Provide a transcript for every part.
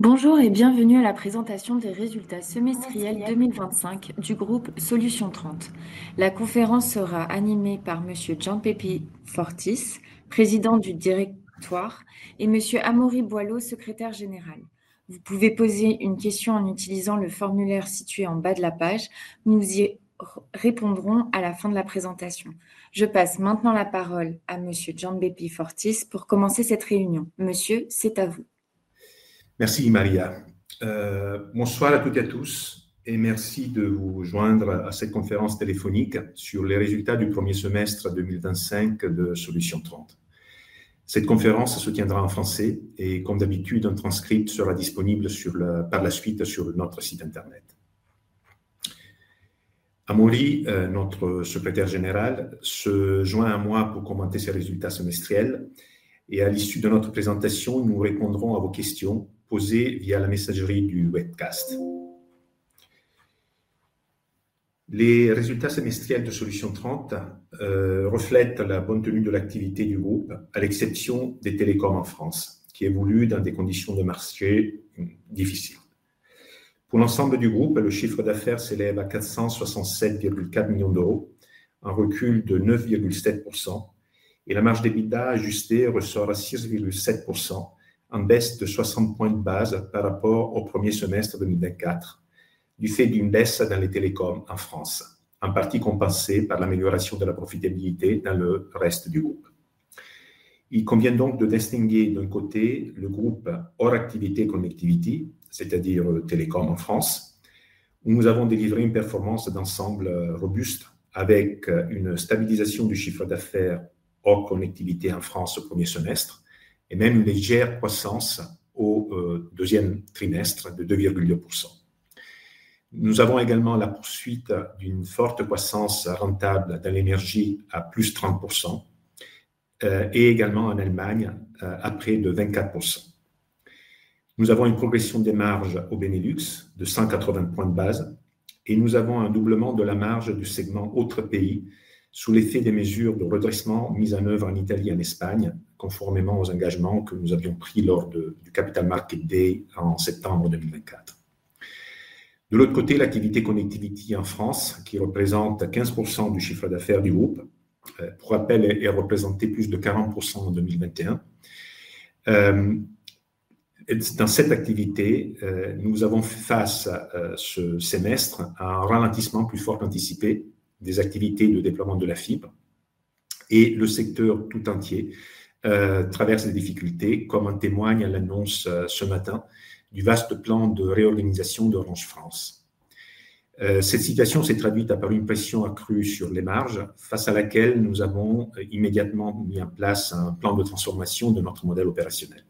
Bonjour et bienvenue à la présentation des résultats semestriels 2024 du groupe Solutions 30. La conférence sera animée par Monsieur Gianbeppi Fortis, Président du Directoire, et Monsieur Amaury Boilot, Secrétaire Général. Vous pouvez poser une question en utilisant le formulaire situé en bas de la page, nous y répondrons à la fin de la présentation. Je passe maintenant la parole à Monsieur Gianbeppi Fortis pour commencer cette réunion. Monsieur, c'est à vous. Merci, Maria. Bonsoir à toutes et à tous, et merci de vous joindre à cette conférence téléphonique sur les résultats du premier semestre 2025 de Solutions 30. Cette conférence se tiendra en français et, comme d'habitude, un transcript sera disponible par la suite sur notre site internet. Amaury, notre secrétaire général, se joint à moi pour commenter ces résultats semestriels, et à l'issue de notre présentation, nous répondrons à vos questions posées via la messagerie du webcast. Les résultats semestriels de Solutions 30 reflètent la bonne tenue de l'activité du groupe, à l'exception des télécoms en France, qui évoluent dans des conditions de marché difficiles. Pour l'ensemble du groupe, le chiffre d'affaires s'élève à €467,4 millions, un recul de 9,7%, et la marge de bilan ajustée ressort à 6,7%, en baisse de 60 points de base par rapport au premier semestre 2024, du fait d'une baisse dans les télécoms en France, en partie compensée par l'amélioration de la profitabilité dans le reste du groupe. Il convient donc de distinguer, d'un côté, le groupe hors activité connectivité, c'est-à-dire télécoms en France, où nous avons délivré une performance d'ensemble robuste, avec une stabilisation du chiffre d'affaires hors connectivité en France au premier semestre, et même une légère croissance au deuxième trimestre de 2,8%. Nous avons également la poursuite d'une forte croissance rentable dans l'énergie à +30%, et également en Allemagne à près de 24%. Nous avons une progression des marges au Benelux de 180 points de base, et nous avons un doublement de la marge du segment autres pays, sous l'effet des mesures de redressement mises en œuvre en Italie et en Espagne, conformément aux engagements que nous avions pris lors du Capital Market Day en septembre 2024. De l'autre côté, l'activité connectivité en France, qui représente 15% du chiffre d'affaires du groupe, pour rappel, elle représentait plus de 40% en 2021. Dans cette activité, nous avons fait face, ce semestre, à un ralentissement plus fort qu'anticipé des activités de déploiement de la fibre, et le secteur tout entier traverse des difficultés, comme en témoigne l'annonce ce matin du vaste plan de réorganisation d'Orange France. Cette situation s'est traduite par une pression accrue sur les marges, face à laquelle nous avons immédiatement mis en place un plan de transformation de notre modèle opérationnel.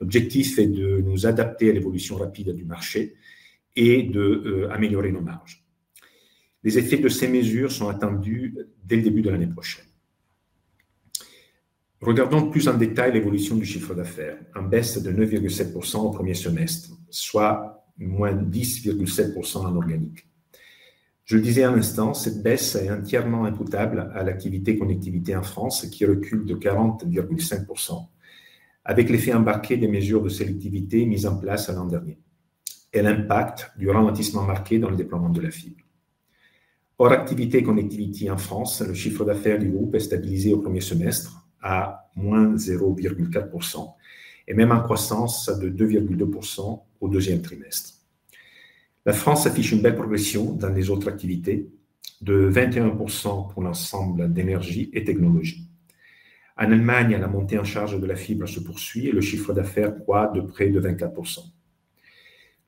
L'objectif est de nous adapter à l'évolution rapide du marché et d'améliorer nos marges. Les effets de ces mesures sont attendus dès le début de l'année prochaine. Regardons plus en détail l'évolution du chiffre d'affaires, en baisse de 9,7% au premier semestre, soit -10,7% en organique. Je le disais à l'instant, cette baisse est entièrement imputable à l'activité connectivité en France, qui recule de 40,5%, avec l'effet embarqué des mesures de sélectivité mises en place l'an dernier, et l'impact du ralentissement marqué dans le déploiement de la fibre. Hors activité connectivité en France, le chiffre d'affaires du groupe est stabilisé au premier semestre à -0,4%, et même en croissance de 2,2% au deuxième trimestre. La France affiche une belle progression dans les autres activités, de 21% pour l'ensemble d'énergie et technologie. En Allemagne, la montée en charge de la fibre se poursuit et le chiffre d'affaires croît de près de 24%.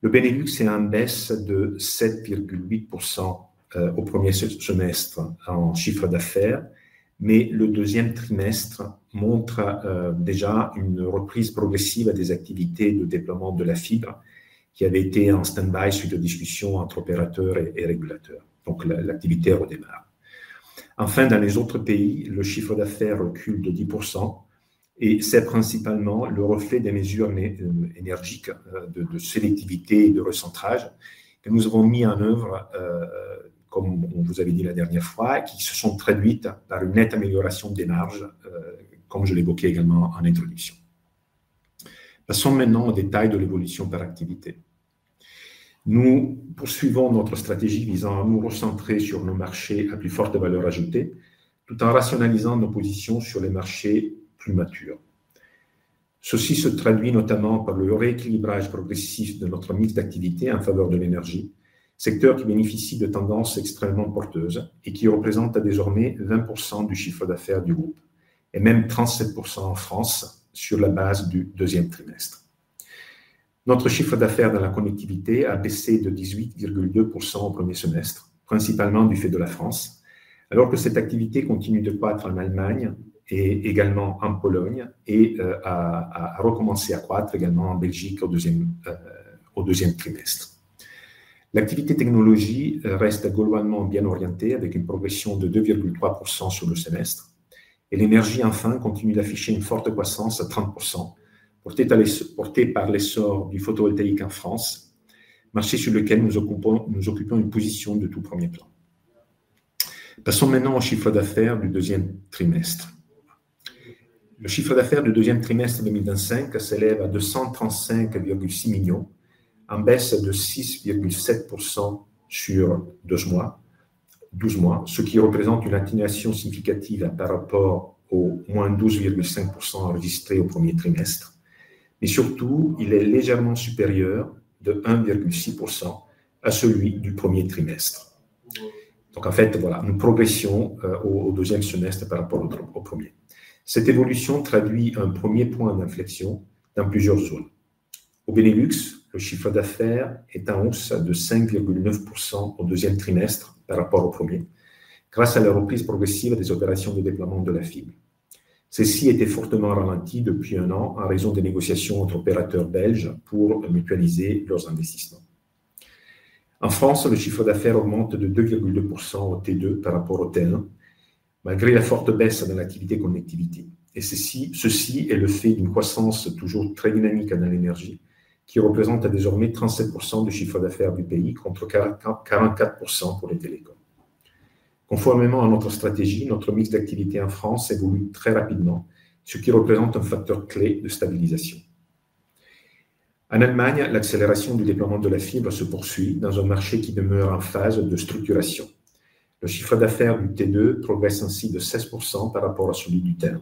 Le Benelux est en baisse de 7,8% au premier semestre en chiffre d'affaires, mais le deuxième trimestre montre déjà une reprise progressive des activités de déploiement de la fibre, qui avaient été en stand-by suite aux discussions entre opérateurs et régulateurs. Donc, l'activité redémarre. Enfin, dans les autres pays, le chiffre d'affaires recule de 10%, et c'est principalement le reflet des mesures énergiques de sélectivité et de recentrage que nous avons mises en œuvre, comme on vous avait dit la dernière fois, et qui se sont traduites par une nette amélioration des marges, comme je l'évoquais également en introduction. Passons maintenant au détail de l'évolution par activité. Nous poursuivons notre stratégie visant à nous recentrer sur nos marchés à plus forte valeur ajoutée, tout en rationalisant nos positions sur les marchés plus matures. Ceci se traduit notamment par le rééquilibrage progressif de notre mix d'activités en faveur de l'énergie, secteur qui bénéficie de tendances extrêmement porteuses et qui représente désormais 20% du chiffre d'affaires du groupe, et même 37% en France sur la base du deuxième trimestre. Notre chiffre d'affaires dans la connectivité a baissé de 18,2% au premier semestre, principalement du fait de la France, alors que cette activité continue de croître en Allemagne et également en Pologne, et a recommencé à croître également en Belgique au deuxième trimestre. L'activité technologie reste globalement bien orientée, avec une progression de 2,3% sur le semestre, et l'énergie, enfin, continue d'afficher une forte croissance à 30%, portée par l'essor du photovoltaïque en France, marché sur lequel nous occupons une position de tout premier plan. Passons maintenant au chiffre d'affaires du deuxième trimestre. Le chiffre d'affaires du deuxième trimestre 2025 s'élève à €235,6 millions, en baisse de 6,7% sur 12 mois, ce qui représente une atténuation significative par rapport au -12,5% enregistré au premier trimestre, et surtout, il est légèrement supérieur de 1,6% à celui du premier trimestre. Donc, en fait, voilà, nous progressons au deuxième trimestre par rapport au premier. Cette évolution traduit un premier point d'inflexion dans plusieurs zones. Au Benelux, le chiffre d'affaires est en hausse de 5,9% au deuxième trimestre par rapport au premier, grâce à la reprise progressive des opérations de déploiement de la fibre. Celle-ci était fortement ralentie depuis un an en raison des négociations entre opérateurs belges pour mutualiser leurs investissements. En France, le chiffre d'affaires augmente de 2,2% au T2 par rapport au T1, malgré la forte baisse dans l'activité connectivité. Ceci est le fait d'une croissance toujours très dynamique dans l'énergie, qui représente désormais 37% du chiffre d'affaires du pays, contre 44% pour les télécoms. Conformément à notre stratégie, notre mix d'activités en France évolue très rapidement, ce qui représente un facteur clé de stabilisation. En Allemagne, l'accélération du déploiement de la fibre se poursuit dans un marché qui demeure en phase de structuration. Le chiffre d'affaires du T2 progresse ainsi de 16% par rapport à celui du T1.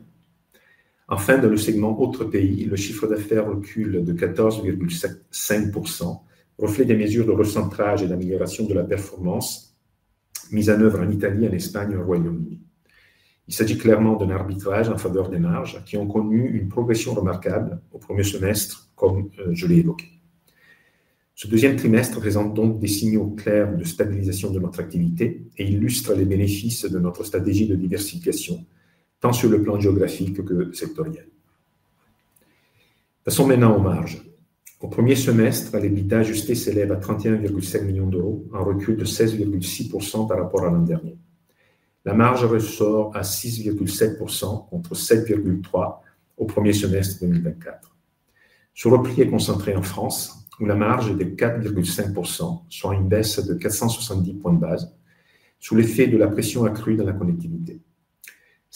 Enfin, dans le segment autres pays, le chiffre d'affaires recule de 14,5%, reflet des mesures de recentrage et d'amélioration de la performance mises en œuvre en Italie, en Espagne et au Royaume-Uni. Il s'agit clairement d'un arbitrage en faveur des marges, qui ont connu une progression remarquable au premier semestre, comme je l'ai évoqué. Ce deuxième trimestre présente donc des signaux clairs de stabilisation de notre activité et illustre les bénéfices de notre stratégie de diversification, tant sur le plan géographique que sectoriel. Passons maintenant aux marges. Au premier semestre, les résultats ajustés s'élèvent à €31,5 millions, un recul de 16,6% par rapport à l'an dernier. La marge ressort à 6,7%, contre 7,3% au premier semestre 2024. Ce repli est concentré en France, où la marge est de 4,5%, soit une baisse de 470 points de base, sous l'effet de la pression accrue dans la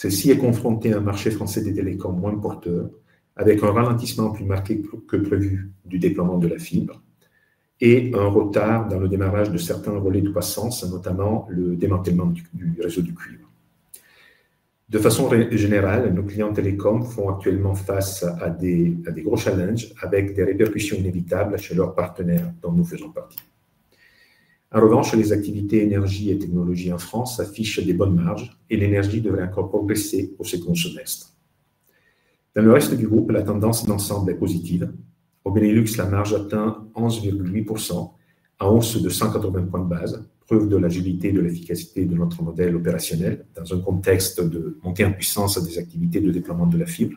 connectivité. Celle-ci est confrontée à un marché français des télécoms moins porteur, avec un ralentissement plus marqué que prévu du déploiement de la fibre et un retard dans le démarrage de certains relais de croissance, notamment le démantèlement du réseau du cuivre. De façon générale, nos clients télécoms font actuellement face à de gros challenges, avec des répercussions inévitables sur leurs partenaires, dont nous faisons partie. En revanche, les activités énergie et technologie en France affichent de bonnes marges et l'énergie devrait encore progresser pour ce semestre. Dans le reste du groupe, la tendance d'ensemble est positive. Au Benelux, la marge atteint 11,8%, en hausse de 180 points de base, preuve de l'agilité et de l'efficacité de notre modèle opérationnel dans un contexte de montée en puissance des activités de déploiement de la fibre.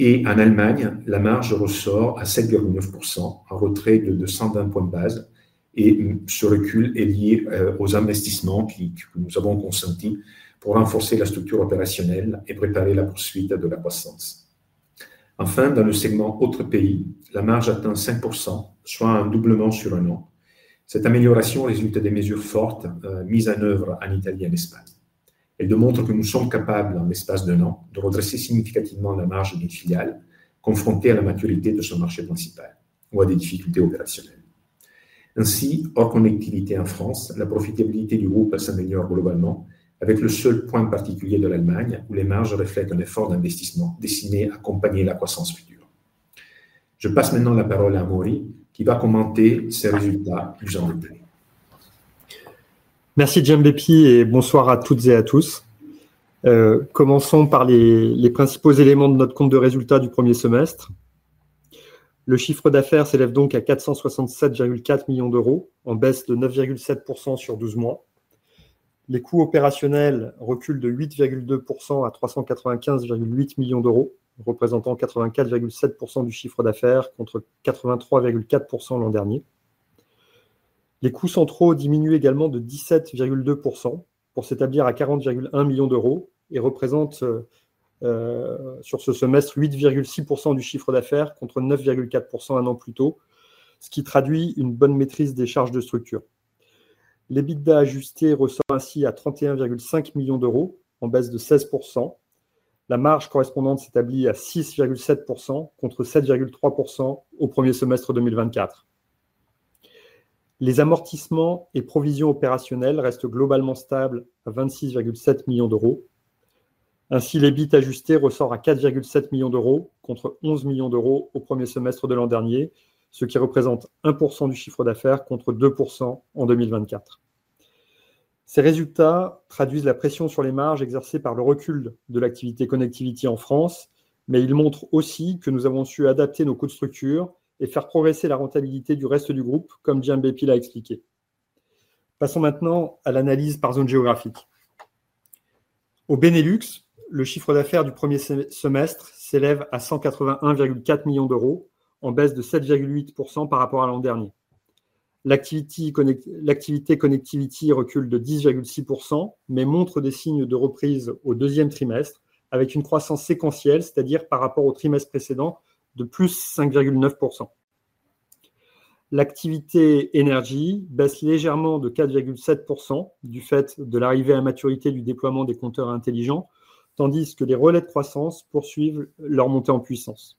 En Allemagne, la marge ressort à 7,9%, en retrait de 220 points de base, et ce recul est lié aux investissements que nous avons consentis pour renforcer la structure opérationnelle et préparer la poursuite de la croissance. Enfin, dans le segment autres pays, la marge atteint 5%, soit un doublement sur un an. Cette amélioration résulte des mesures fortes mises en œuvre en Italie et en Espagne. Elle démontre que nous sommes capables, en l'espace d'un an, de redresser significativement la marge d'une filiale confrontée à l'immaturité de son marché principal ou à des difficultés opérationnelles. Ainsi, hors connectivité en France, la profitabilité du groupe s'améliore globalement, avec le seul point particulier de l'Allemagne, où les marges reflètent un effort d'investissement destiné à accompagner la croissance future. Je passe maintenant la parole à Amaury, qui va commenter ces résultats plus en détail. Merci, Gianbeppi, et bonsoir à toutes et à tous. Commençons par les principaux éléments de notre compte de résultats du premier semestre. Le chiffre d'affaires s'élève donc à €467,4 millions, en baisse de 9,7% sur 12 mois. Les coûts opérationnels reculent de 8,2% à €395,8 millions, représentant 84,7% du chiffre d'affaires, contre 83,4% l'an dernier. Les coûts centraux diminuent également de 17,2% pour s'établir à €40,1 millions et représentent, sur ce semestre, 8,6% du chiffre d'affaires, contre 9,4% un an plus tôt, ce qui traduit une bonne maîtrise des charges de structure. L'EBITDA ajusté ressort ainsi à €31,5 millions, en baisse de 16%. La marge correspondante s'établit à 6,7%, contre 7,3% au premier semestre 2024. Les amortissements et provisions opérationnelles restent globalement stables à €26,7 millions. Ainsi, l'EBIT ajusté ressort à €4,7 millions, contre €11 millions au premier semestre de l'an dernier, ce qui représente 1% du chiffre d'affaires, contre 2% en 2024. Ces résultats traduisent la pression sur les marges exercée par le recul de l'activité connectivité en France, mais ils montrent aussi que nous avons su adapter nos coûts de structure et faire progresser la rentabilité du reste du groupe, comme Gianbeppi l'a expliqué. Passons maintenant à l'analyse par zone géographique. Au Benelux, le chiffre d'affaires du premier semestre s'élève à €181,4 millions, en baisse de 7,8% par rapport à l'an dernier. L'activité connectivité recule de 10,6%, mais montre des signes de reprise au deuxième trimestre, avec une croissance séquentielle, c'est-à-dire par rapport au trimestre précédent, de +5,9%. L'activité énergie baisse légèrement de 4,7% du fait de l'arrivée à maturité du déploiement des compteurs intelligents, tandis que les relais de croissance poursuivent leur montée en puissance.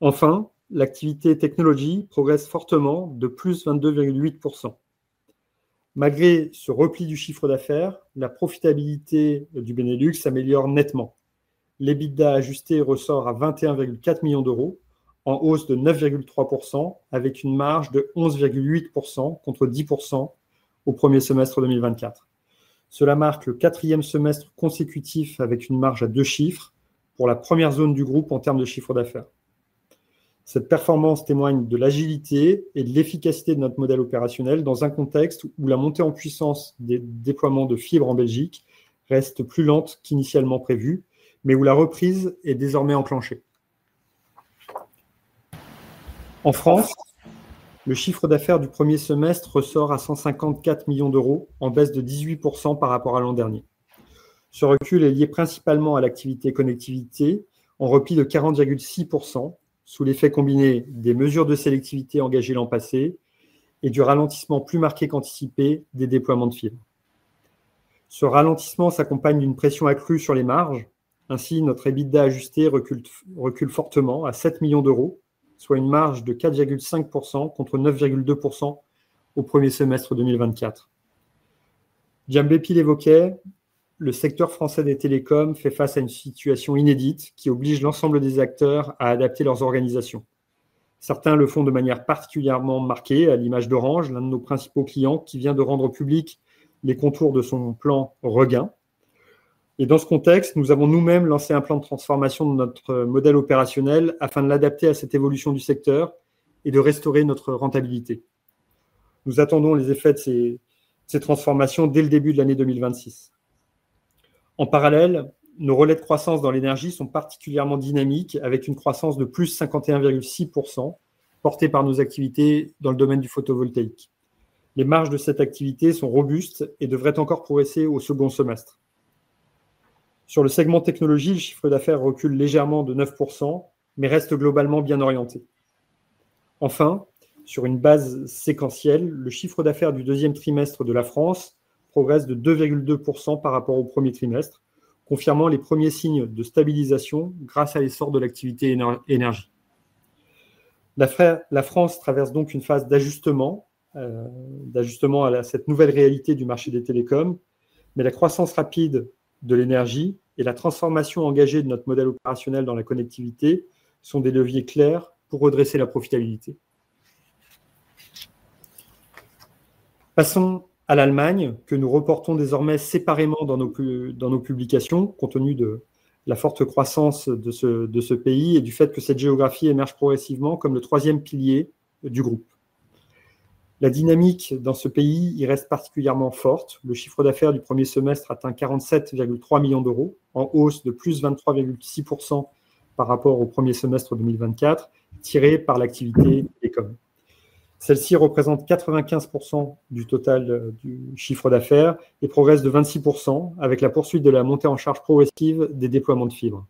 Enfin, l'activité technologie progresse fortement de +22,8%. Malgré ce repli du chiffre d'affaires, la profitabilité du Benelux s'améliore nettement. L'EBITDA ajusté ressort à €21,4 millions, en hausse de 9,3%, avec une marge de 11,8%, contre 10% au premier semestre 2024. Cela marque le quatrième semestre consécutif avec une marge à deux chiffres pour la première zone du groupe en termes de chiffre d'affaires. Cette performance témoigne de l'agilité et de l'efficacité de notre modèle opérationnel dans un contexte où la montée en puissance des déploiements de fibre en Belgique reste plus lente qu'initialement prévue, mais où la reprise est désormais enclenchée. En France, le chiffre d'affaires du premier semestre ressort à €154 millions, en baisse de 18% par rapport à l'an dernier. Ce recul est lié principalement à l'activité connectivité, en repli de 40,6%, sous l'effet combiné des mesures de sélectivité engagées l'an passé et du ralentissement plus marqué qu'anticipé des déploiements de fibre. Ce ralentissement s'accompagne d'une pression accrue sur les marges. Ainsi, notre EBITDA ajusté recule fortement à €7 millions, soit une marge de 4,5% contre 9,2% au premier semestre 2024. Gianbeppi l'évoquait, le secteur français des télécoms fait face à une situation inédite qui oblige l'ensemble des acteurs à adapter leurs organisations. Certains le font de manière particulièrement marquée, à l'image d'Orange, l'un de nos principaux clients, qui vient de rendre publics les contours de son plan regain. Dans ce contexte, nous avons nous-mêmes lancé un plan de transformation de notre modèle opérationnel afin de l'adapter à cette évolution du secteur et de restaurer notre rentabilité. Nous attendons les effets de ces transformations dès le début de l'année 2026. En parallèle, nos relais de croissance dans l'énergie sont particulièrement dynamiques, avec une croissance de +51,6%, portée par nos activités dans le domaine du photovoltaïque. Les marges de cette activité sont robustes et devraient encore progresser au second semestre. Sur le segment technologie, le chiffre d'affaires recule légèrement de 9%, mais reste globalement bien orienté. Enfin, sur une base séquentielle, le chiffre d'affaires du deuxième trimestre de la France progresse de 2,2% par rapport au premier trimestre, confirmant les premiers signes de stabilisation grâce à l'essor de l'activité énergie. La France traverse donc une phase d'ajustement à cette nouvelle réalité du marché des télécoms, mais la croissance rapide de l'énergie et la transformation engagée de notre modèle opérationnel dans la connectivité sont des leviers clairs pour redresser la profitabilité. Passons à l'Allemagne, que nous reportons désormais séparément dans nos publications, compte tenu de la forte croissance de ce pays et du fait que cette géographie émerge progressivement comme le troisième pilier du groupe. La dynamique dans ce pays y reste particulièrement forte. Le chiffre d'affaires du premier semestre atteint €47,3 millions, en hausse de +23,6% par rapport au premier semestre 2024, tiré par l'activité télécom. Celle-ci représente 95% du total du chiffre d'affaires et progresse de 26% avec la poursuite de la montée en charge progressive des déploiements de fibre.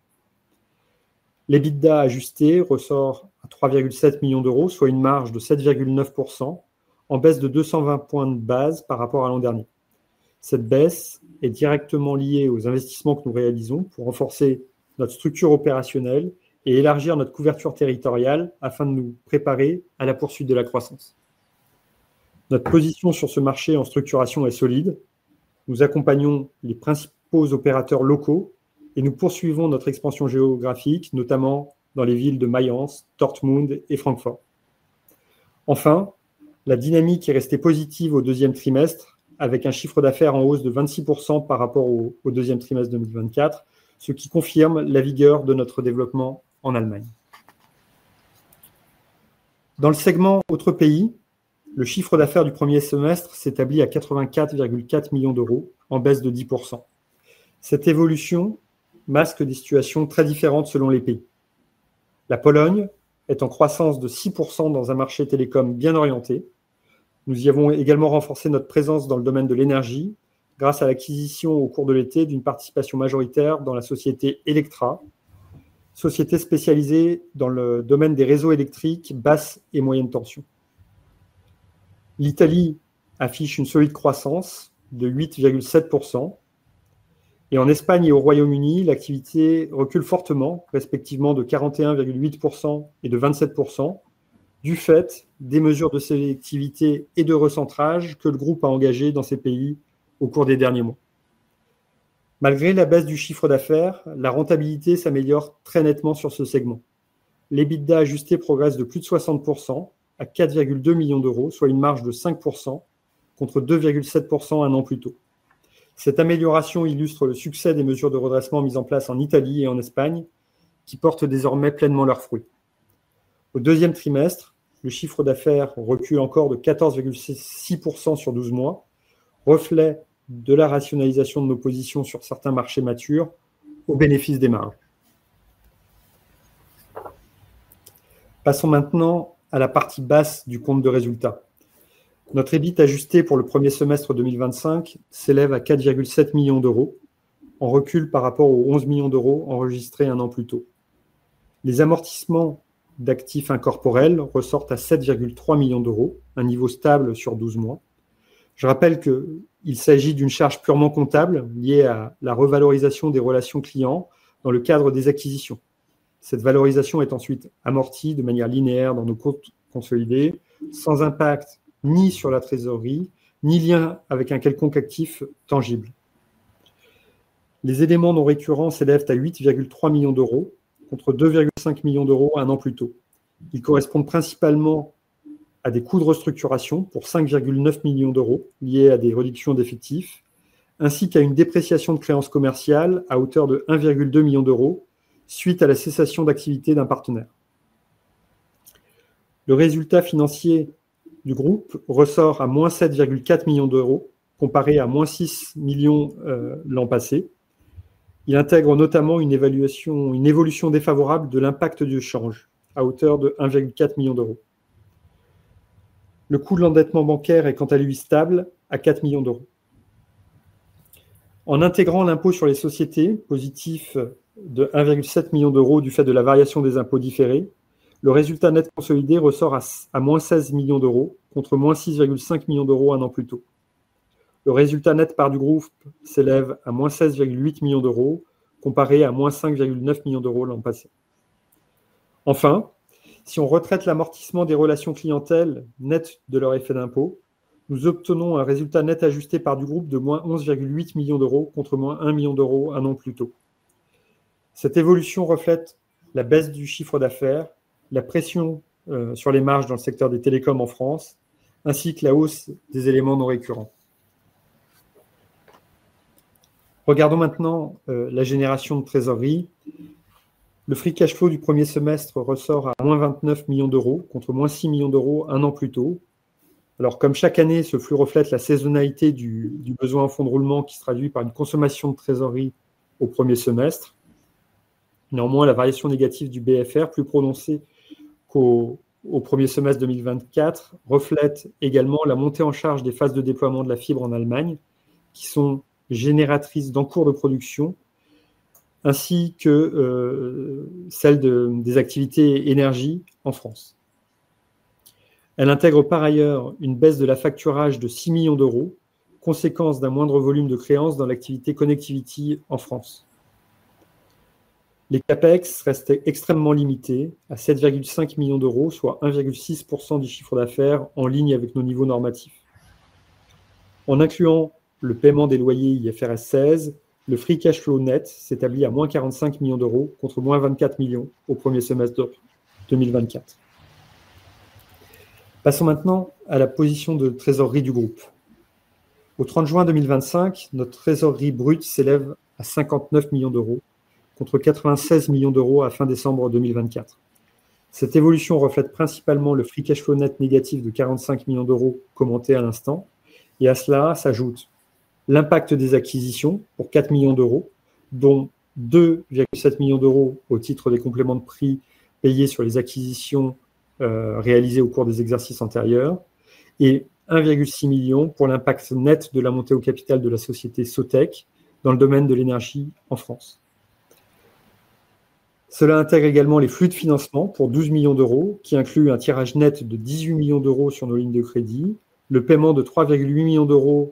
L'EBITDA ajusté ressort à €3,7 millions, soit une marge de 7,9%, en baisse de 220 points de base par rapport à l'an dernier. Cette baisse est directement liée aux investissements que nous réalisons pour renforcer notre structure opérationnelle et élargir notre couverture territoriale afin de nous préparer à la poursuite de la croissance. Notre position sur ce marché en structuration est solide. Nous accompagnons les principaux opérateurs locaux et nous poursuivons notre expansion géographique, notamment dans les villes de Mayence, Dortmund et Francfort. Enfin, la dynamique est restée positive au deuxième trimestre, avec un chiffre d'affaires en hausse de 26% par rapport au deuxième trimestre 2024, ce qui confirme la vigueur de notre développement en Allemagne. Dans le segment autres pays, le chiffre d'affaires du premier semestre s'établit à €84,4 millions, en baisse de 10%. Cette évolution masque des situations très différentes selon les pays. La Pologne est en croissance de 6% dans un marché télécom bien orienté. Nous y avons également renforcé notre présence dans le domaine de l'énergie grâce à l'acquisition au cours de l'été d'une participation majoritaire dans la société Elektra, société spécialisée dans le domaine des réseaux électriques basse et moyenne tension. L'Italie affiche une solide croissance de 8,7% et en Espagne et au Royaume-Uni, l'activité recule fortement, respectivement de 41,8% et de 27%, du fait des mesures de sélectivité et de recentrage que le groupe a engagées dans ces pays au cours des derniers mois. Malgré la baisse du chiffre d'affaires, la rentabilité s'améliore très nettement sur ce segment. L'EBITDA ajusté progresse de plus de 60% à €4,2 millions, soit une marge de 5%, contre 2,7% un an plus tôt. Cette amélioration illustre le succès des mesures de redressement mises en place en Italie et en Espagne, qui portent désormais pleinement leurs fruits. Au deuxième trimestre, le chiffre d'affaires recule encore de 14,6% sur 12 mois, reflet de la rationalisation de nos positions sur certains marchés matures au bénéfice des marges. Passons maintenant à la partie basse du compte de résultats. Notre EBIT ajusté pour le premier semestre 2025 s'élève à €4,7 millions, en recul par rapport aux €11 millions enregistrés un an plus tôt. Les amortissements d'actifs incorporels ressortent à €7,3 millions, un niveau stable sur 12 mois. Je rappelle qu'il s'agit d'une charge purement comptable liée à la revalorisation des relations clients dans le cadre des acquisitions. Cette valorisation est ensuite amortie de manière linéaire dans nos comptes consolidés, sans impact ni sur la trésorerie, ni lien avec un quelconque actif tangible. Les éléments non récurrents s'élèvent à €8,3 millions, contre €2,5 millions un an plus tôt. Ils correspondent principalement à des coûts de restructuration pour €5,9 millions liés à des réductions d'effectifs, ainsi qu'à une dépréciation de créances commerciales à hauteur de €1,2 million suite à la cessation d'activité d'un partenaire. Le résultat financier du groupe ressort à -€7,4 millions, comparé à -€6 millions l'an passé. Il intègre notamment une évaluation défavorable de l'impact du change à hauteur de €1,4 million. Le coût de l'endettement bancaire est quant à lui stable à €4 millions. En intégrant l'impôt sur les sociétés, positif de €1,7 million du fait de la variation des impôts différés, le résultat net consolidé ressort à -€16 millions, contre -€6,5 millions un an plus tôt. Le résultat net part du groupe s'élève à -€16,8 millions, comparé à -€5,9 millions l'an passé. Enfin, si on retraite l'amortissement des relations clientèles nettes de leur effet d'impôt, nous obtenons un résultat net ajusté part du groupe de -€11,8 millions contre -€1 million un an plus tôt. Cette évolution reflète la baisse du chiffre d'affaires, la pression sur les marges dans le secteur des télécoms en France, ainsi que la hausse des éléments non récurrents. Regardons maintenant la génération de trésorerie. Le free cash flow du premier semestre ressort à -€29 millions contre -€6 millions un an plus tôt. Comme chaque année, ce flux reflète la saisonnalité du besoin en fonds de roulement qui se traduit par une consommation de trésorerie au premier semestre. Néanmoins, la variation négative du BFR, plus prononcée qu'au premier semestre 2024, reflète également la montée en charge des phases de déploiement de la fibre en Allemagne, qui sont génératrices d'encours de production, ainsi que celle des activités énergie en France. Elle intègre par ailleurs une baisse de l'affacturage de €6 millions, conséquence d'un moindre volume de créances dans l'activité connectivité en France. Les CAPEX restent extrêmement limités à €7,5 millions, soit 1,6% du chiffre d'affaires en ligne avec nos niveaux normatifs. En incluant le paiement des loyers IFRS 16, le free cash flow net s'établit à -€45 millions contre -€24 millions au premier semestre de 2024. Passons maintenant à la position de trésorerie du groupe. Au 30 juin 2025, notre trésorerie brute s'élève à €59 millions contre €96 millions à fin décembre 2024. Cette évolution reflète principalement le free cash flow net négatif de €45 millions commenté à l'instant, et à cela s'ajoute l'impact des acquisitions pour €4 millions, dont €2,7 millions au titre des compléments de prix payés sur les acquisitions réalisées au cours des exercices antérieurs, et €1,6 million pour l'impact net de la montée au capital de la société Sotec dans le domaine de l'énergie en France. Cela intègre également les flux de financement pour €12 millions, qui incluent un tirage net de €18 millions sur nos lignes de crédit, le paiement de €3,8 millions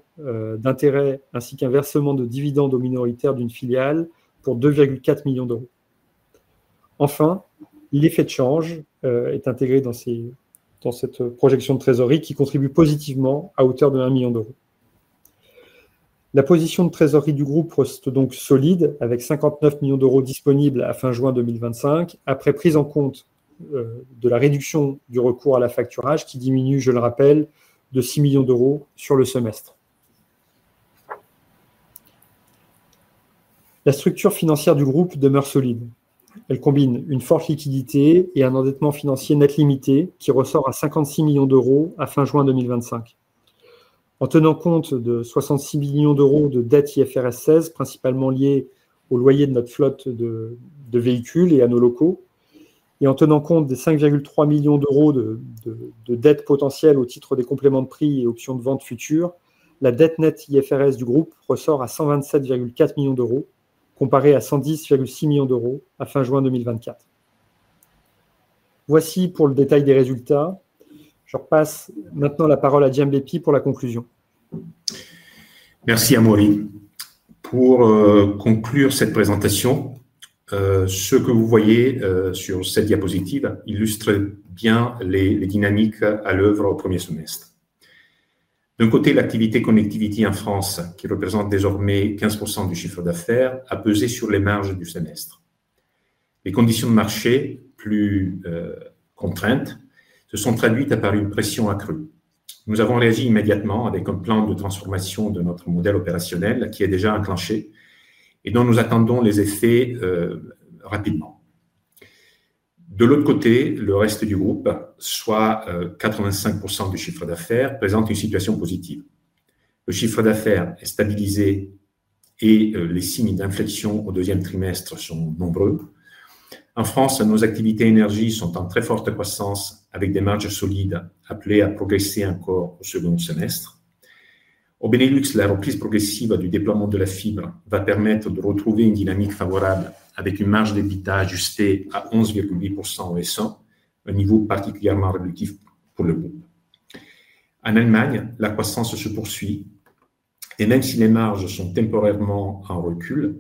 d'intérêts ainsi qu'un versement de dividendes aux minoritaires d'une filiale pour €2,4 millions. Enfin, l'effet de change est intégré dans cette projection de trésorerie qui contribue positivement à hauteur de €1 million. La position de trésorerie du groupe reste donc solide avec €59 millions disponibles à fin juin 2025, après prise en compte de la réduction du recours à l'affacturage qui diminue, je le rappelle, de €6 millions sur le semestre. La structure financière du groupe demeure solide. Elle combine une forte liquidité et un endettement financier net limité qui ressort à €56 millions à fin juin 2025. En tenant compte de €66 millions de dettes IFRS 16, principalement liées aux loyers de notre flotte de véhicules et à nos locaux, et en tenant compte des €5,3 millions de dettes potentielles au titre des compléments de prix et options de vente futures, la dette nette IFRS du groupe ressort à €127,4 millions, comparée à €110,6 millions à fin juin 2024. Voici pour le détail des résultats. Je repasse maintenant la parole à Gianbeppi pour la conclusion. Merci, Amaury. Pour conclure cette présentation, ce que vous voyez sur cette diapositive illustre bien les dynamiques à l'œuvre au premier semestre. D'un côté, l'activité connectivité en France, qui représente désormais 15% du chiffre d'affaires, a pesé sur les marges du semestre. Les conditions de marché, plus contraintes, se sont traduites par une pression accrue. Nous avons réagi immédiatement avec un plan de transformation de notre modèle opérationnel qui est déjà enclenché et dont nous attendons les effets rapidement. De l'autre côté, le reste du groupe, soit 85% du chiffre d'affaires, présente une situation positive. Le chiffre d'affaires est stabilisé et les signes d'inflexion au deuxième trimestre sont nombreux. En France, nos activités énergie sont en très forte croissance avec des marges solides appelées à progresser encore au second semestre. Au Benelux, la reprise progressive du déploiement de la fibre va permettre de retrouver une dynamique favorable avec une marge d'EBITDA ajustée à 11,8% au S1, un niveau particulièrement réductif pour le groupe. En Allemagne, la croissance se poursuit et même si les marges sont temporairement en recul,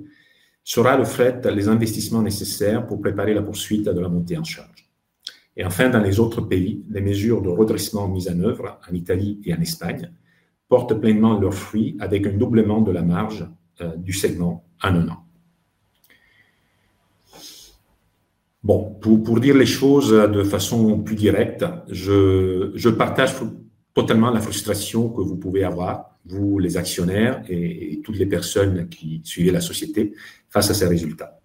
ce sera le fait des investissements nécessaires pour préparer la poursuite de la montée en charge. Enfin, dans les autres pays, les mesures de redressement mises en œuvre en Italie et en Espagne portent pleinement leurs fruits avec un doublement de la marge du segment en un an. Pour dire les choses de façon plus directe, je partage totalement la frustration que vous pouvez avoir, vous les actionnaires et toutes les personnes qui suivent la société face à ces résultats.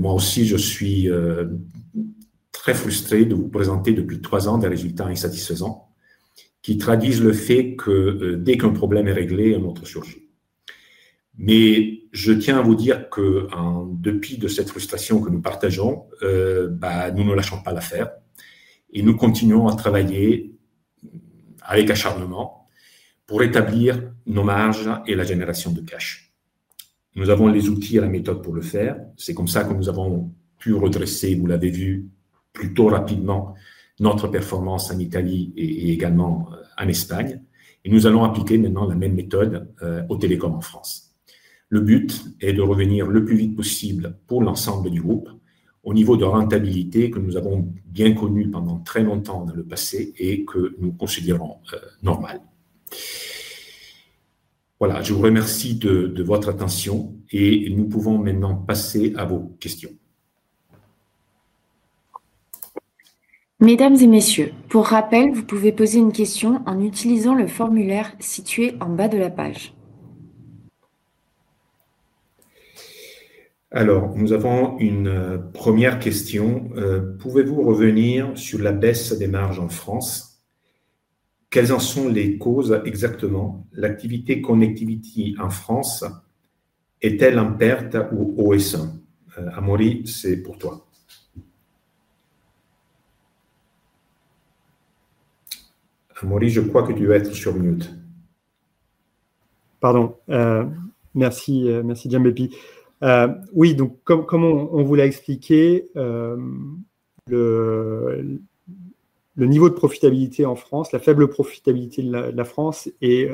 Moi aussi, je suis très frustré de vous présenter depuis trois ans des résultats insatisfaisants qui traduisent le fait que dès qu'un problème est réglé, un autre surgit. Mais je tiens à vous dire qu'en dépit de cette frustration que nous partageons, nous ne lâchons pas l'affaire et nous continuons à travailler avec acharnement pour rétablir nos marges et la génération de cash. Nous avons les outils et la méthode pour le faire. C'est comme ça que nous avons pu redresser, vous l'avez vu, plutôt rapidement notre performance en Italie et également en Espagne. Nous allons appliquer maintenant la même méthode aux télécoms en France. Le but est de revenir le plus vite possible pour l'ensemble du groupe au niveau de rentabilité que nous avons bien connu pendant très longtemps dans le passé et que nous considérons normal. Je vous remercie de votre attention et nous pouvons maintenant passer à vos questions. Mesdames et messieurs, pour rappel, vous pouvez poser une question en utilisant le formulaire situé en bas de la page. Alors, nous avons une première question. Pouvez-vous revenir sur la baisse des marges en France? Quelles en sont les causes exactement? L'activité connectivité en France est-elle en perte au H1? Amaury, c'est pour toi. Amaury, je crois que tu es en sourdine? Pardon. Merci, Gianbeppi. Oui, donc, comme on vous l'a expliqué, le niveau de profitabilité en France, la faible profitabilité de la France est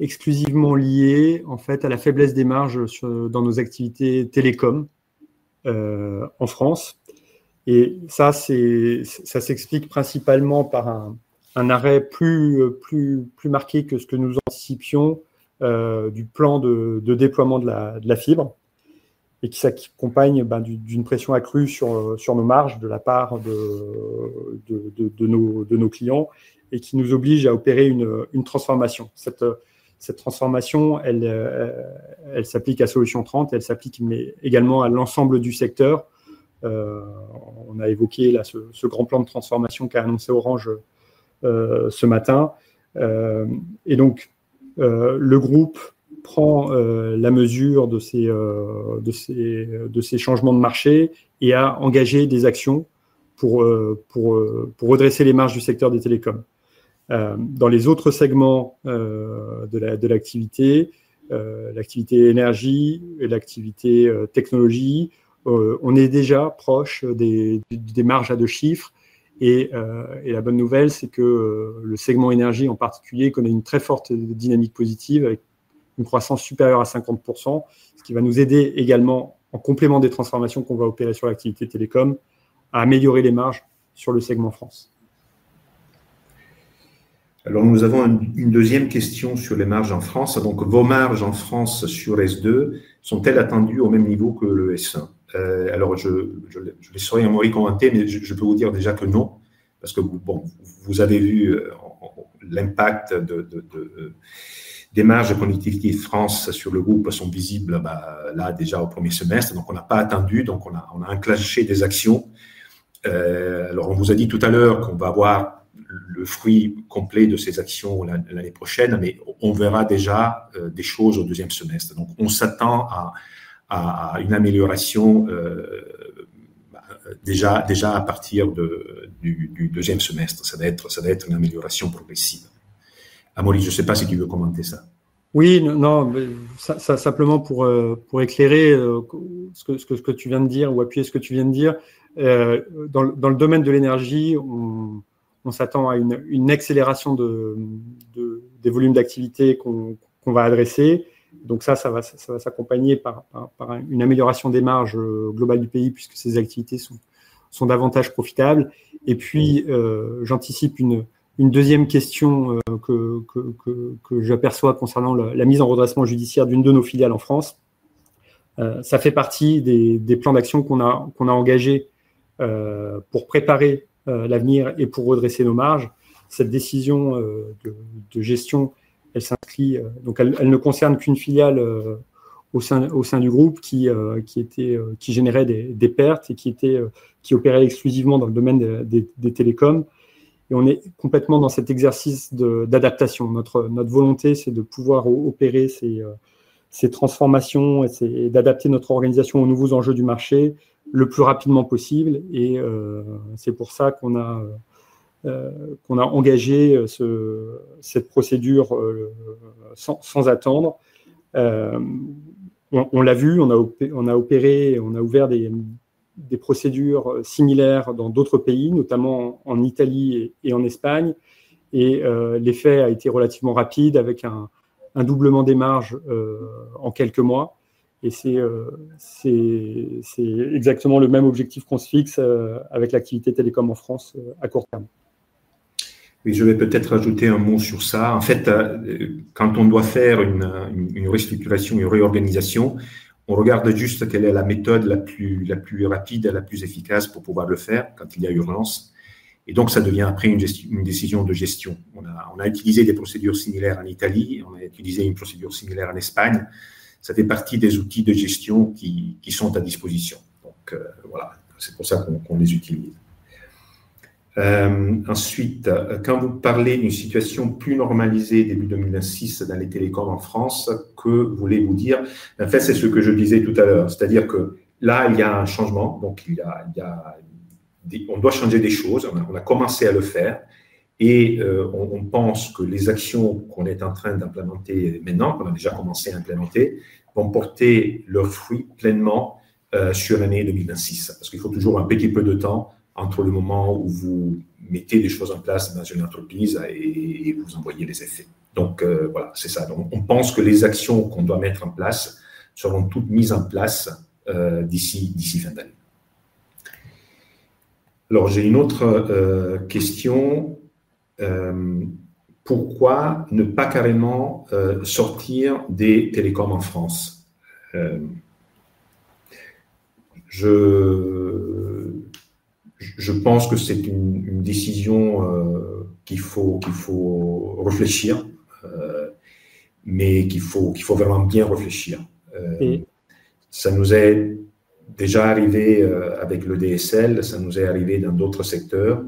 exclusivement liée, en fait, à la faiblesse des marges dans nos activités télécoms en France. Et ça, ça s'explique principalement par un arrêt plus marqué que ce que nous anticipions du plan de déploiement de la fibre et qui s'accompagne d'une pression accrue sur nos marges de la part de nos clients et qui nous oblige à opérer une transformation. Cette transformation, elle s'applique à Solutions 30 et elle s'applique également à l'ensemble du secteur. On a évoqué ce grand plan de transformation qu'a annoncé Orange ce matin. Et donc, le groupe prend la mesure de ces changements de marché et a engagé des actions pour redresser les marges du secteur des télécoms. Dans les autres segments de l'activité, l'activité énergie et l'activité technologie, on est déjà proche des marges à deux chiffres. Et la bonne nouvelle, c'est que le segment énergie, en particulier, connaît une très forte dynamique positive avec une croissance supérieure à 50%, ce qui va nous aider également, en complément des transformations qu'on va opérer sur l'activité télécom, à améliorer les marges sur le segment France. Alors, nous avons une deuxième question sur les marges en France. Donc, vos marges en France sur S2 sont-elles attendues au même niveau que le S1? Alors, je laisserai Amaury commenter, mais je peux vous dire déjà que non, parce que vous avez vu l'impact des marges de Connectivité France sur le groupe sont visibles là déjà au premier semestre. Donc, on n'a pas attendu, donc on a enclenché des actions. Alors, on vous a dit tout à l'heure qu'on va avoir le fruit complet de ces actions l'année prochaine, mais on verra déjà des choses au deuxième semestre. Donc, on s'attend à une amélioration déjà à partir du deuxième semestre. Ça va être une amélioration progressive. Amaury, je ne sais pas si tu veux commenter ça. Oui, non, ça simplement pour éclairer ce que tu viens de dire ou appuyer ce que tu viens de dire. Dans le domaine de l'énergie, on s'attend à une accélération des volumes d'activité qu'on va adresser. Donc ça va s'accompagner par une amélioration des marges globales du pays puisque ces activités sont davantage profitables. Et puis, j'anticipe une deuxième question que j'aperçois concernant la mise en redressement judiciaire d'une de nos filiales en France. Ça fait partie des plans d'action qu'on a engagés pour préparer l'avenir et pour redresser nos marges. Cette décision de gestion s'inscrit, donc elle ne concerne qu'une filiale au sein du groupe qui générait des pertes et qui opérait exclusivement dans le domaine des télécoms. Et on est complètement dans cet exercice d'adaptation. Notre volonté, c'est de pouvoir opérer ces transformations et d'adapter notre organisation aux nouveaux enjeux du marché le plus rapidement possible. Et c'est pour ça qu'on a engagé cette procédure sans attendre. On l'a vu, on a opéré, on a ouvert des procédures similaires dans d'autres pays, notamment en Italie et en Espagne, et l'effet a été relativement rapide avec un doublement des marges en quelques mois. Et c'est exactement le même objectif qu'on se fixe avec l'activité télécom en France à court terme. Oui, je vais peut-être ajouter un mot sur ça. En fait, quand on doit faire une restructuration et une réorganisation, on regarde juste quelle est la méthode la plus rapide, la plus efficace pour pouvoir le faire quand il y a urgence. Donc, ça devient après une décision de gestion. On a utilisé des procédures similaires en Italie, on a utilisé une procédure similaire en Espagne. Ça fait partie des outils de gestion qui sont à disposition. Donc voilà, c'est pour ça qu'on les utilise. Ensuite, quand vous parlez d'une situation plus normalisée début 2006 dans les télécoms en France, que voulez-vous dire? En fait, c'est ce que je disais tout à l'heure, c'est-à-dire que là, il y a un changement. Donc, il y a on doit changer des choses, on a commencé à le faire et on pense que les actions qu'on est en train d'implémenter maintenant, qu'on a déjà commencé à implémenter, vont porter leurs fruits pleinement sur l'année 2026. Parce qu'il faut toujours un petit peu de temps entre le moment où vous mettez des choses en place dans une entreprise et vous en voyez les effets. Donc voilà, c'est ça. Donc, on pense que les actions qu'on doit mettre en place seront toutes mises en place d'ici fin d'année. Alors, j'ai une autre question. Pourquoi ne pas carrément sortir des télécoms en France? Je pense que c'est une décision qu'il faut réfléchir, mais qu'il faut vraiment bien réfléchir. Ça nous est déjà arrivé avec le DSL, ça nous est arrivé dans d'autres secteurs.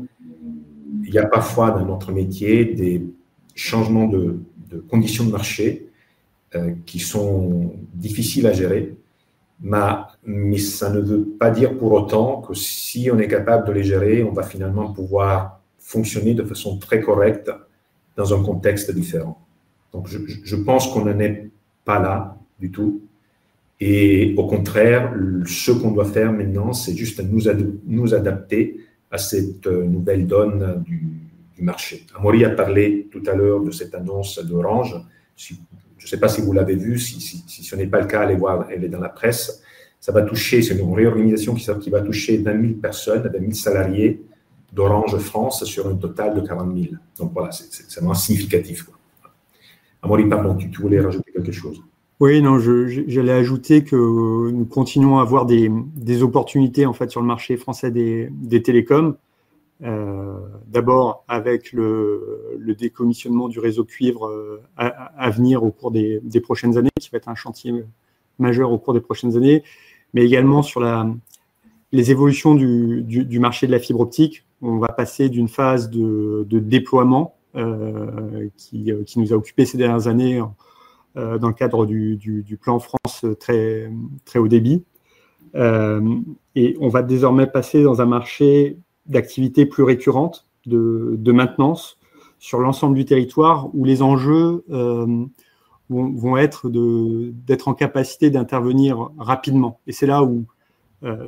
Il y a parfois dans notre métier des changements de conditions de marché qui sont difficiles à gérer, mais ça ne veut pas dire pour autant que si on est capable de les gérer, on va finalement pouvoir fonctionner de façon très correcte dans un contexte différent. Donc, je pense qu'on n'en est pas là du tout. Au contraire, ce qu'on doit faire maintenant, c'est juste nous adapter à cette nouvelle donne du marché. Amaury a parlé tout à l'heure de cette annonce d'Orange. Je ne sais pas si vous l'avez vue, si ce n'est pas le cas, allez voir, elle est dans la presse. Ça va toucher sur une réorganisation qui va toucher 20 000 personnes, 20 000 salariés d'Orange France sur un total de 40 000. Donc voilà, c'est vraiment significatif. Amaury, pardon, tu voulais rajouter quelque chose? Oui, non, j'allais ajouter que nous continuons à avoir des opportunités en fait sur le marché français des télécoms. D'abord avec le décommissionnement du réseau cuivre à venir au cours des prochaines années, qui va être un chantier majeur au cours des prochaines années, mais également sur les évolutions du marché de la fibre optique. On va passer d'une phase de déploiement qui nous a occupé ces dernières années dans le cadre du plan France très haut débit. Et on va désormais passer dans un marché d'activités plus récurrentes de maintenance sur l'ensemble du territoire où les enjeux vont être d'être en capacité d'intervenir rapidement. Et c'est là où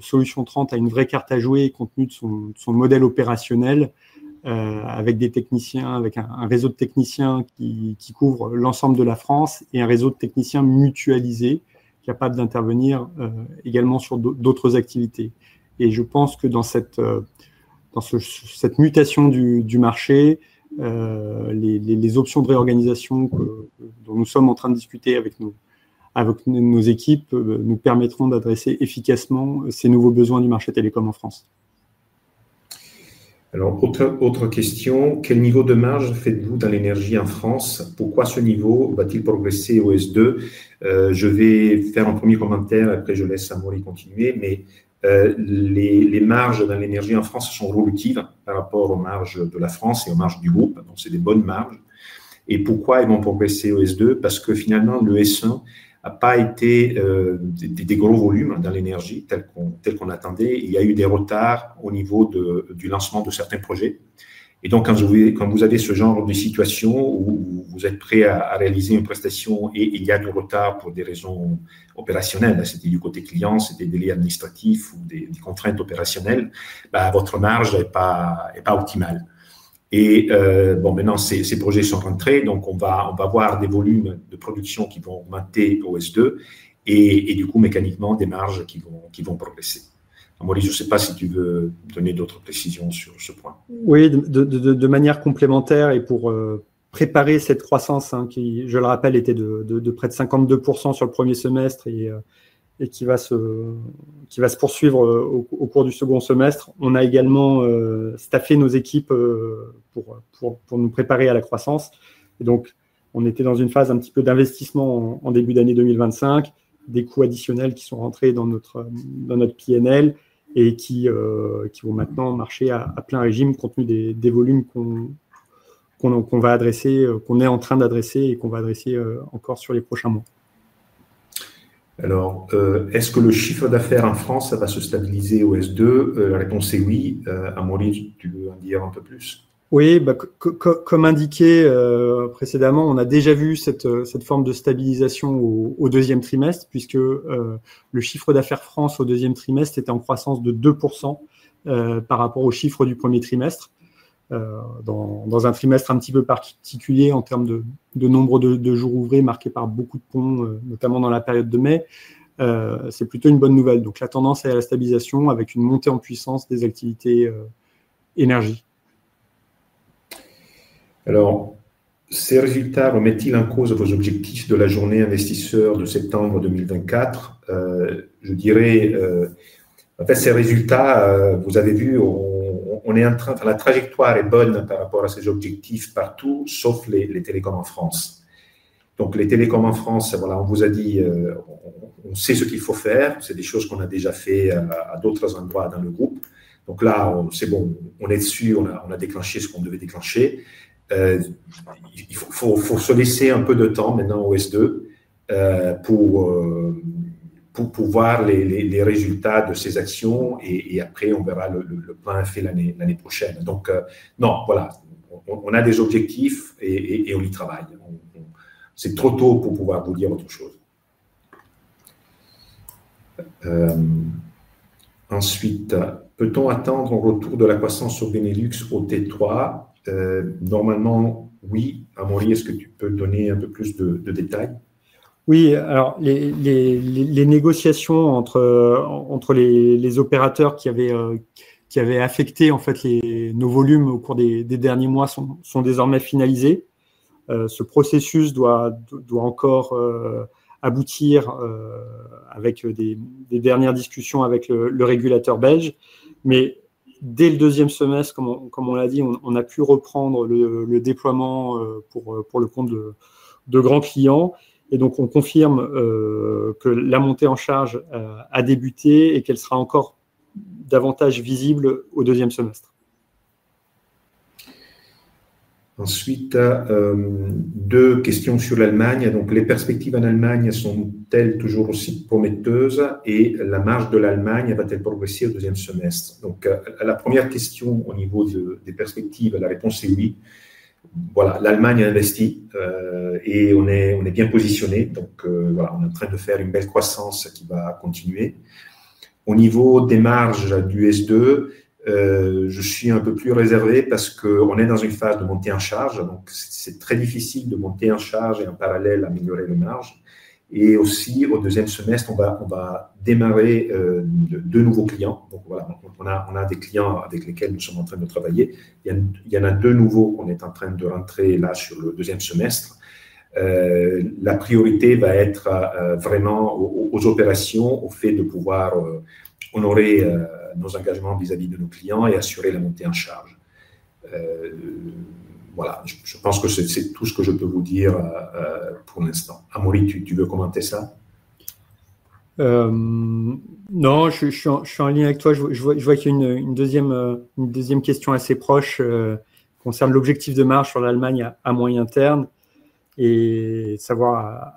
Solutions 30 a une vraie carte à jouer compte tenu de son modèle opérationnel, avec des techniciens, avec un réseau de techniciens qui couvre l'ensemble de la France et un réseau de techniciens mutualisés capables d'intervenir également sur d'autres activités. Et je pense que dans cette mutation du marché, les options de réorganisation dont nous sommes en train de discuter avec nos équipes, nous permettront d'adresser efficacement ces nouveaux besoins du marché télécom en France. Alors, autre question, quel niveau de marge faites-vous dans l'énergie en France? Pourquoi ce niveau? Va-t-il progresser au S2? Je vais faire un premier commentaire, et après, je laisse Amaury continuer, mais les marges dans l'énergie en France sont évolutives par rapport aux marges de la France et aux marges du groupe. Donc, c'est des bonnes marges. Et pourquoi elles vont progresser au S2? Parce que finalement, le S1 n'a pas été des gros volumes dans l'énergie tel qu'on attendait. Il y a eu des retards au niveau du lancement de certains projets. Et donc, quand vous avez ce genre de situation où vous êtes prêt à réaliser une prestation et il y a du retard pour des raisons opérationnelles, c'était du côté client, c'était des délais administratifs ou des contraintes opérationnelles, votre marge n'est pas optimale. Et maintenant, ces projets sont rentrés, donc on va avoir des volumes de production qui vont augmenter au S2 et, du coup, mécaniquement, des marges qui vont progresser. Amaury, je ne sais pas si tu veux donner d'autres précisions sur ce point. Oui, de manière complémentaire et pour préparer cette croissance qui, je le rappelle, était de près de 52% sur le premier semestre et qui va se poursuivre au cours du second semestre. On a également staffé nos équipes pour nous préparer à la croissance. Et donc, on était dans une phase un petit peu d'investissement en début d'année 2025, des coûts additionnels qui sont rentrés dans notre PNL et qui vont maintenant marcher à plein régime compte tenu des volumes qu'on va adresser, qu'on est en train d'adresser et qu'on va adresser encore sur les prochains mois. Alors, est-ce que le chiffre d'affaires en France va se stabiliser au S2? La réponse est oui. Amaury, tu veux en dire un peu plus? Oui, comme indiqué précédemment, on a déjà vu cette forme de stabilisation au deuxième trimestre, puisque le chiffre d'affaires France au deuxième trimestre était en croissance de 2% par rapport au chiffre du premier trimestre. Dans un trimestre un petit peu particulier en termes de nombre de jours ouvrés marqués par beaucoup de ponts, notamment dans la période de mai. C'est plutôt une bonne nouvelle. Donc, la tendance est à la stabilisation avec une montée en puissance des activités énergie. Alors, ces résultats remettent-ils en cause vos objectifs de la journée investisseurs de septembre 2024? Je dirais qu'en fait, ces résultats, vous avez vu, on est en train, la trajectoire est bonne par rapport à ces objectifs partout, sauf les télécoms en France. Donc, les télécoms en France, voilà, on vous a dit, on sait ce qu'il faut faire, c'est des choses qu'on a déjà faites à d'autres endroits dans le groupe. Donc là, c'est bon, on est dessus, on a déclenché ce qu'on devait déclencher. Il faut se laisser un peu de temps maintenant au S2 pour voir les résultats de ces actions et après, on verra le plan à faire l'année prochaine. Donc non, voilà, on a des objectifs et on y travaille. C'est trop tôt pour pouvoir vous dire autre chose. Ensuite, peut-on attendre un retour de la croissance au Benelux au T3? Normalement oui. Amaury, est-ce que tu peux donner un peu plus de détails? Oui, alors les négociations entre les opérateurs qui avaient affecté en fait nos volumes au cours des derniers mois sont désormais finalisées. Ce processus doit encore aboutir avec des dernières discussions avec le régulateur belge. Mais dès le deuxième semestre, comme on l'a dit, on a pu reprendre le déploiement pour le compte de grands clients. Et donc, on confirme que la montée en charge a débuté et qu'elle sera encore davantage visible au deuxième semestre. Ensuite, deux questions sur l'Allemagne. Donc, les perspectives en Allemagne sont-elles toujours aussi prometteuses? Et la marge de l'Allemagne va-t-elle progresser au deuxième semestre? Donc, à la première question au niveau des perspectives, la réponse est oui. Voilà, l'Allemagne a investi et on est bien positionné. Donc voilà, on est en train de faire une belle croissance qui va continuer. Au niveau des marges du S2, je suis un peu plus réservé parce qu'on est dans une phase de montée en charge. Donc, c'est très difficile de monter en charge et en parallèle améliorer les marges. Et aussi, au deuxième semestre, on va démarrer de nouveaux clients. Donc voilà, on a des clients avec lesquels nous sommes en train de travailler. Il y en a deux nouveaux qu'on est en train de rentrer là sur le deuxième semestre. La priorité va être vraiment aux opérations, au fait de pouvoir honorer nos engagements vis-à-vis de nos clients et assurer la montée en charge. Voilà, je pense que c'est tout ce que je peux vous dire pour l'instant. Amaury, tu veux commenter ça? Non, je suis en lien avec toi. Je vois qu'il y a une deuxième question assez proche qui concerne l'objectif de marge sur l'Allemagne à moyen terme et savoir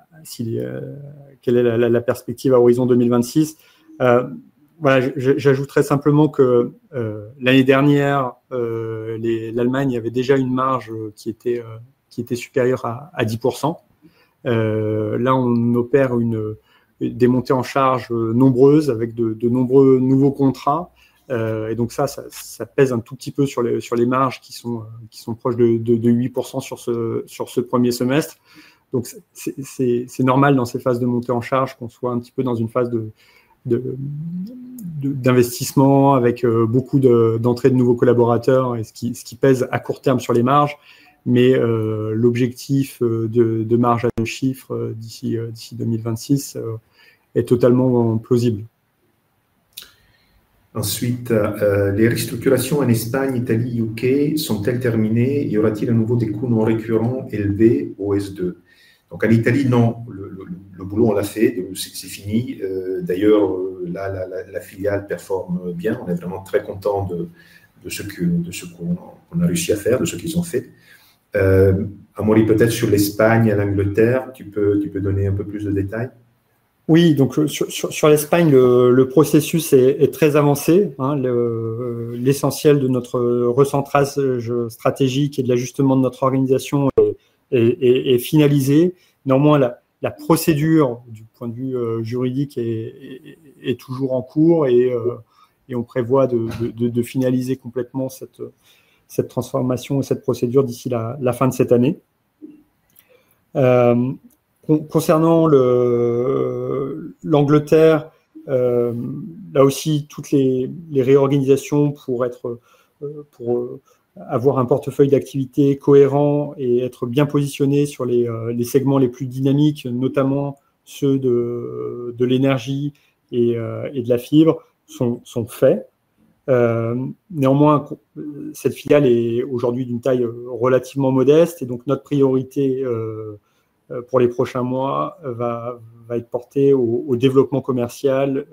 quelle est la perspective à horizon 2026. Voilà, j'ajouterais simplement que l'année dernière, l'Allemagne avait déjà une marge qui était supérieure à 10%. Là, on opère une des montées en charge nombreuses avec de nombreux nouveaux contrats. Et donc ça pèse un tout petit peu sur les marges qui sont proches de 8% sur ce premier semestre. Donc, c'est normal dans ces phases de montée en charge qu'on soit un petit peu dans une phase d'investissement avec beaucoup d'entrées de nouveaux collaborateurs, et ce qui pèse à court terme sur les marges. Mais l'objectif de marge à deux chiffres d'ici 2026 est totalement plausible. Ensuite, les restructurations en Espagne, Italie, UK sont-elles terminées? Y aura-t-il à nouveau des coûts non récurrents élevés au S2? Donc, en Italie, non, le boulot, on l'a fait, c'est fini. D'ailleurs, là, la filiale performe bien. On est vraiment très contents de ce qu'on a réussi à faire, de ce qu'ils ont fait. Amaury, peut-être sur l'Espagne et l'Angleterre, tu peux donner un peu plus de détails? Oui, donc sur l'Espagne, le processus est très avancé. L'essentiel de notre recentrage stratégique et de l'ajustement de notre organisation est finalisé. Néanmoins, la procédure du point de vue juridique est toujours en cours et on prévoit de finaliser complètement cette transformation et cette procédure d'ici la fin de cette année. Concernant l'Angleterre, là aussi, toutes les réorganisations pour avoir un portefeuille d'activités cohérent et être bien positionné sur les segments les plus dynamiques, notamment ceux de l'énergie et de la fibre, sont faites. Néanmoins, cette filiale est aujourd'hui d'une taille relativement modeste et donc notre priorité pour les prochains mois va être portée sur le développement commercial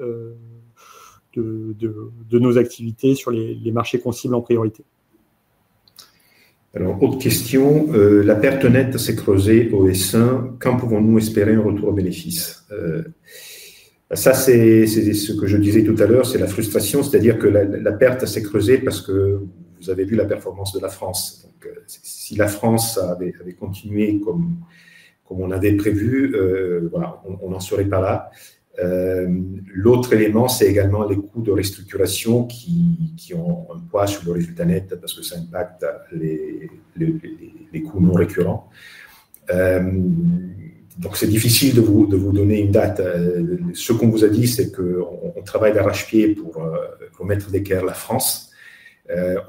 de nos activités sur les marchés qu'on cible en priorité. Alors, autre question, la perte nette s'est creusée au S1. Quand pouvons-nous espérer un retour aux bénéfices? Ça, c'est ce que je disais tout à l'heure, c'est la frustration, c'est-à-dire que la perte s'est creusée parce que vous avez vu la performance de la France. Donc, si la France avait continué comme on l'avait prévu, voilà, on n'en serait pas là. L'autre élément, c'est également les coûts de restructuration qui ont un poids sur le résultat net parce que ça impacte les coûts non récurrents. Donc, c'est difficile de vous donner une date. Ce qu'on vous a dit, c'est qu'on travaille d'arrache-pied pour remettre d'équerre la France.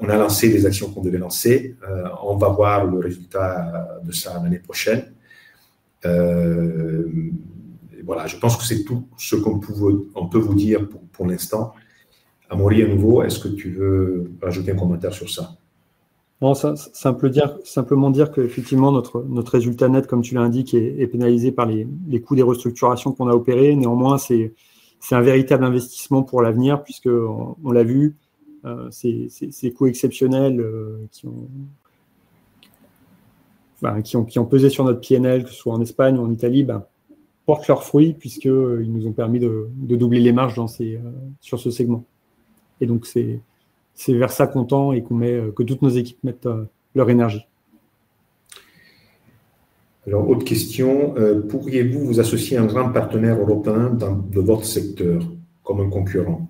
On a lancé les actions qu'on devait lancer. On va voir le résultat de ça l'année prochaine. Voilà, je pense que c'est tout ce qu'on peut vous dire pour l'instant. Amaury, à nouveau, est-ce que tu veux ajouter un commentaire sur ça? Non, ça veut dire simplement qu'effectivement, notre résultat net, comme tu l'as indiqué, est pénalisé par les coûts des restructurations qu'on a opérées. Néanmoins, c'est un véritable investissement pour l'avenir puisqu'on l'a vu, ces coûts exceptionnels qui ont pesé sur notre PNL, que ce soit en Espagne ou en Italie, portent leurs fruits puisqu'ils nous ont permis de doubler les marges sur ce segment. Et donc, c'est vers ça qu'on tend et que toutes nos équipes mettent leur énergie. Alors, autre question, pourriez-vous vous associer à un grand partenaire européen de votre secteur comme un concurrent?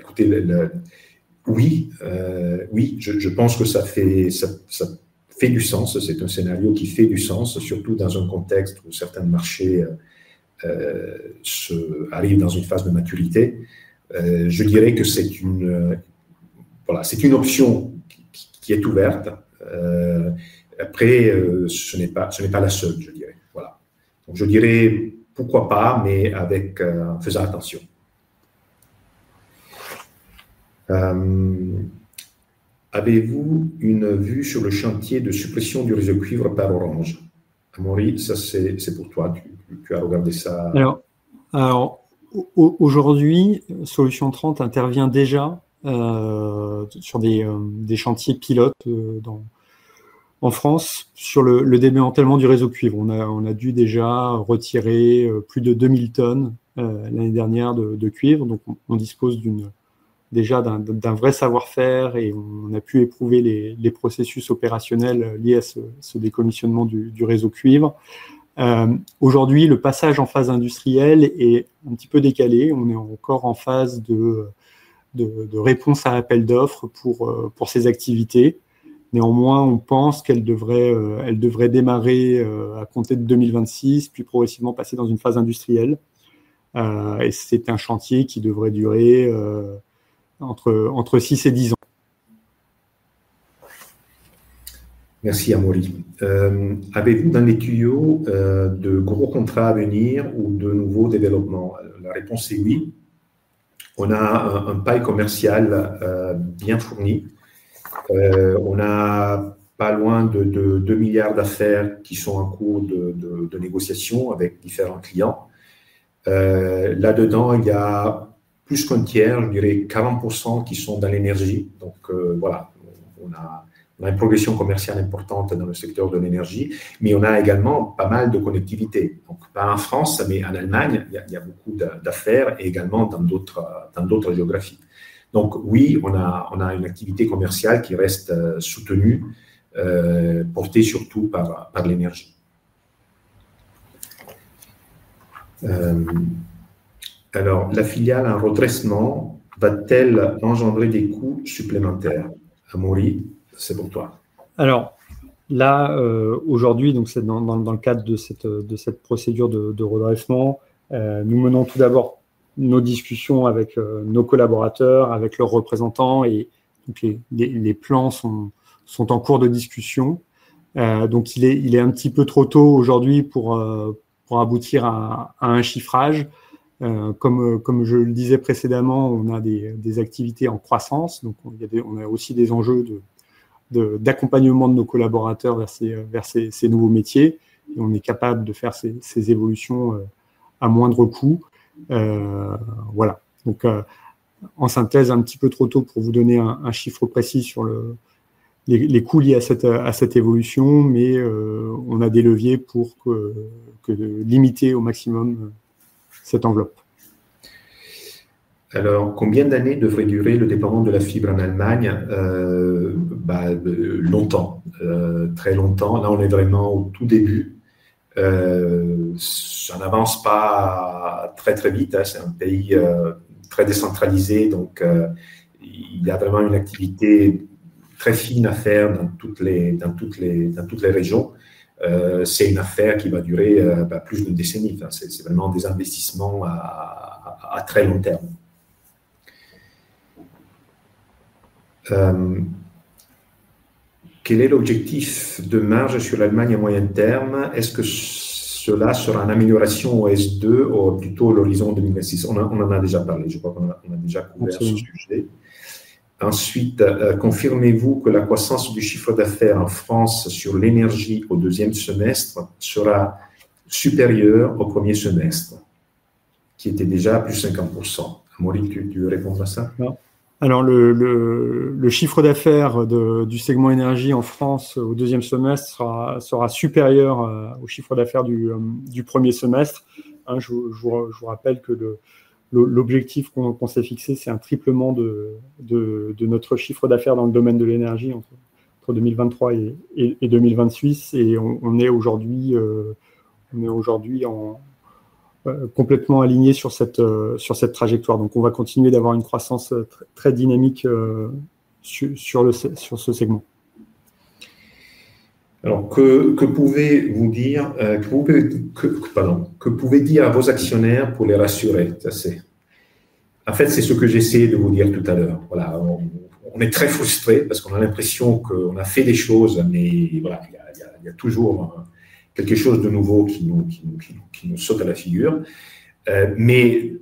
Écoutez, oui, oui, je pense que ça fait du sens. C'est un scénario qui fait du sens, surtout dans un contexte où certains marchés arrivent dans une phase de maturité. Je dirais que c'est une option qui est ouverte. Après, ce n'est pas la seule, je dirais. Donc, je dirais pourquoi pas, mais en faisant attention. Avez-vous une vue sur le chantier de suppression du réseau cuivre par Orange? Amaury, ça, c'est pour toi, tu as regardé ça? Alors, aujourd'hui, Solutions 30 intervient déjà sur des chantiers pilotes en France sur le démantèlement du réseau cuivre. On a dû déjà retirer plus de 2 000 tonnes l'année dernière de cuivre. Donc, on dispose déjà d'un vrai savoir-faire et on a pu éprouver les processus opérationnels liés à ce décommissionnement du réseau cuivre. Aujourd'hui, le passage en phase industrielle est un petit peu décalé. On est encore en phase de réponse à appel d'offres pour ces activités. Néanmoins, on pense qu'elles devraient démarrer à compter de 2026, puis progressivement passer dans une phase industrielle. Et c'est un chantier qui devrait durer entre 6 et 10 ans. Merci, Amaury. Avez-vous dans les tuyaux de gros contrats à venir ou de nouveaux développements? La réponse est oui. On a un pipeline commercial bien fourni. On n'a pas loin de €2 milliards d'affaires qui sont en cours de négociation avec différents clients. Là-dedans, il y a plus qu'un tiers, je dirais 40%, qui sont dans l'énergie. Donc voilà, on a une progression commerciale importante dans le secteur de l'énergie, mais on a également pas mal de connectivité. Pas en France, mais en Allemagne, il y a beaucoup d'affaires et également dans d'autres géographies. Donc oui, on a une activité commerciale qui reste soutenue, portée surtout par l'énergie. Alors, la filiale en redressement va-t-elle engendrer des coûts supplémentaires? Amaury, c'est pour toi. Alors là, aujourd'hui, donc c'est dans le cadre de cette procédure de redressement, nous menons tout d'abord nos discussions avec nos collaborateurs, avec leurs représentants, et les plans sont en cours de discussion. Donc il est un petit peu trop tôt aujourd'hui pour aboutir à un chiffrage. Comme je le disais précédemment, on a des activités en croissance, donc on a aussi des enjeux d'accompagnement de nos collaborateurs vers ces nouveaux métiers. Et on est capable de faire ces évolutions à moindre coût. Voilà. Donc, en synthèse, un petit peu trop tôt pour vous donner un chiffre précis sur les coûts liés à cette évolution, mais on a des leviers pour limiter au maximum cette enveloppe. Alors, combien d'années devrait durer le déploiement de la fibre en Allemagne? Bah, longtemps. Très longtemps. Là, on est vraiment au tout début. Ça n'avance pas très, très vite. C'est un pays très décentralisé, donc il y a vraiment une activité très fine à faire dans toutes les régions. C'est une affaire qui va durer plus d'une décennie. Enfin, c'est vraiment des investissements à très long terme. Quel est l'objectif de marge sur l'Allemagne à moyen terme? Est-ce que cela sera une amélioration au S2 ou plutôt à l'horizon 2026? On en a déjà parlé, je crois qu'on a déjà couvert ce sujet. Ensuite, confirmez-vous que la croissance du chiffre d'affaires en France sur l'énergie au deuxième semestre sera supérieure au premier semestre, qui était déjà à plus de 50 %? Amaury, tu veux répondre à ça? Non. Alors, le chiffre d'affaires du segment énergie en France au deuxième semestre sera supérieur au chiffre d'affaires du premier semestre. Je vous rappelle que l'objectif qu'on s'est fixé, c'est un triplement de notre chiffre d'affaires dans le domaine de l'énergie entre 2023 et 2026. On est aujourd'hui complètement aligné sur cette trajectoire. Donc, on va continuer d'avoir une croissance très dynamique sur ce segment. Alors, que pouvez-vous dire, que dire à vos actionnaires pour les rassurer? Ça, c'est en fait, c'est ce que j'ai essayé de vous dire tout à l'heure. Voilà, on est très frustré parce qu'on a l'impression qu'on a fait des choses, mais voilà, il y a toujours quelque chose de nouveau qui nous saute à la figure. Mais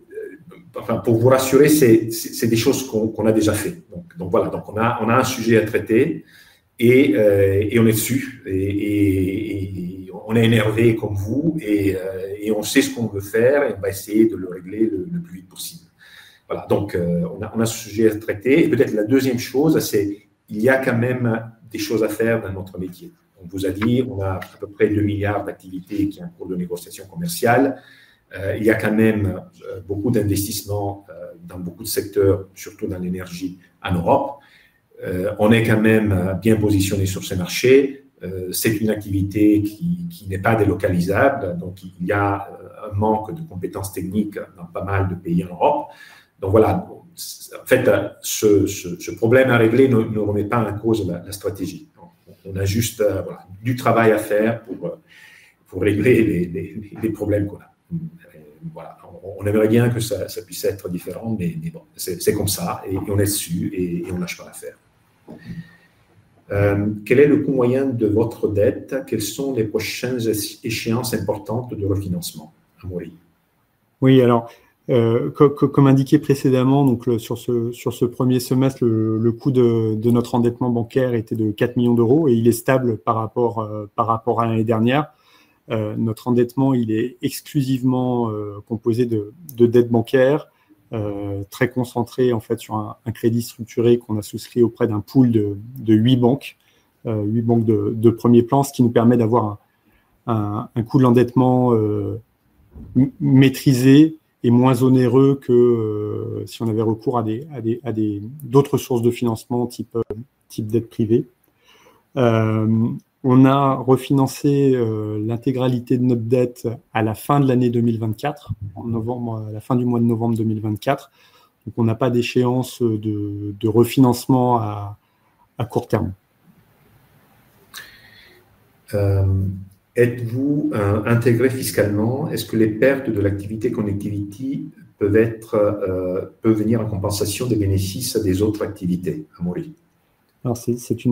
enfin, pour vous rassurer, c'est des choses qu'on a déjà faites. Donc voilà, donc on a un sujet à traiter et on est dessus. On est énervé comme vous et on sait ce qu'on veut faire et on va essayer de le régler le plus vite possible. Voilà, donc on a ce sujet à traiter. Peut-être la deuxième chose, c'est qu'il y a quand même des choses à faire dans notre métier. On vous a dit, on a à peu près 2 milliards d'activités qui ont cours de négociation commerciale. Il y a quand même beaucoup d'investissements dans beaucoup de secteurs, surtout dans l'énergie en Europe. On est quand même bien positionné sur ces marchés. C'est une activité qui n'est pas délocalisable. Donc, il y a un manque de compétences techniques dans pas mal de pays en Europe. Donc voilà, en fait, ce problème à régler ne remet pas en cause la stratégie. On a juste du travail à faire pour régler les problèmes qu'on a. Voilà, on aimerait bien que ça puisse être différent, mais bon, c'est comme ça et on est dessus et on arrive pas à faire. Quel est le coût moyen de votre dette? Quelles sont les prochaines échéances importantes de refinancement? Amaury? Oui, alors, comme indiqué précédemment, sur ce premier semestre, le coût de notre endettement bancaire était de 4 millions d'euros et il est stable par rapport à l'année dernière. Notre endettement, il est exclusivement composé de dettes bancaires, très concentrées en fait sur un crédit structuré qu'on a souscrit auprès d'un pool de huit banques, huit banques de premier plan, ce qui nous permet d'avoir un coût de l'endettement maîtrisé et moins onéreux que si on avait recours à d'autres sources de financement type dette privée. On a refinancé l'intégralité de notre dette à la fin de l'année 2024, à la fin du mois de novembre 2024. Donc, on n'a pas d'échéance de refinancement à court terme. Êtes-vous intégré fiscalement? Est-ce que les pertes de l'activité connectivité peuvent venir en compensation des bénéfices des autres activités? Amaury?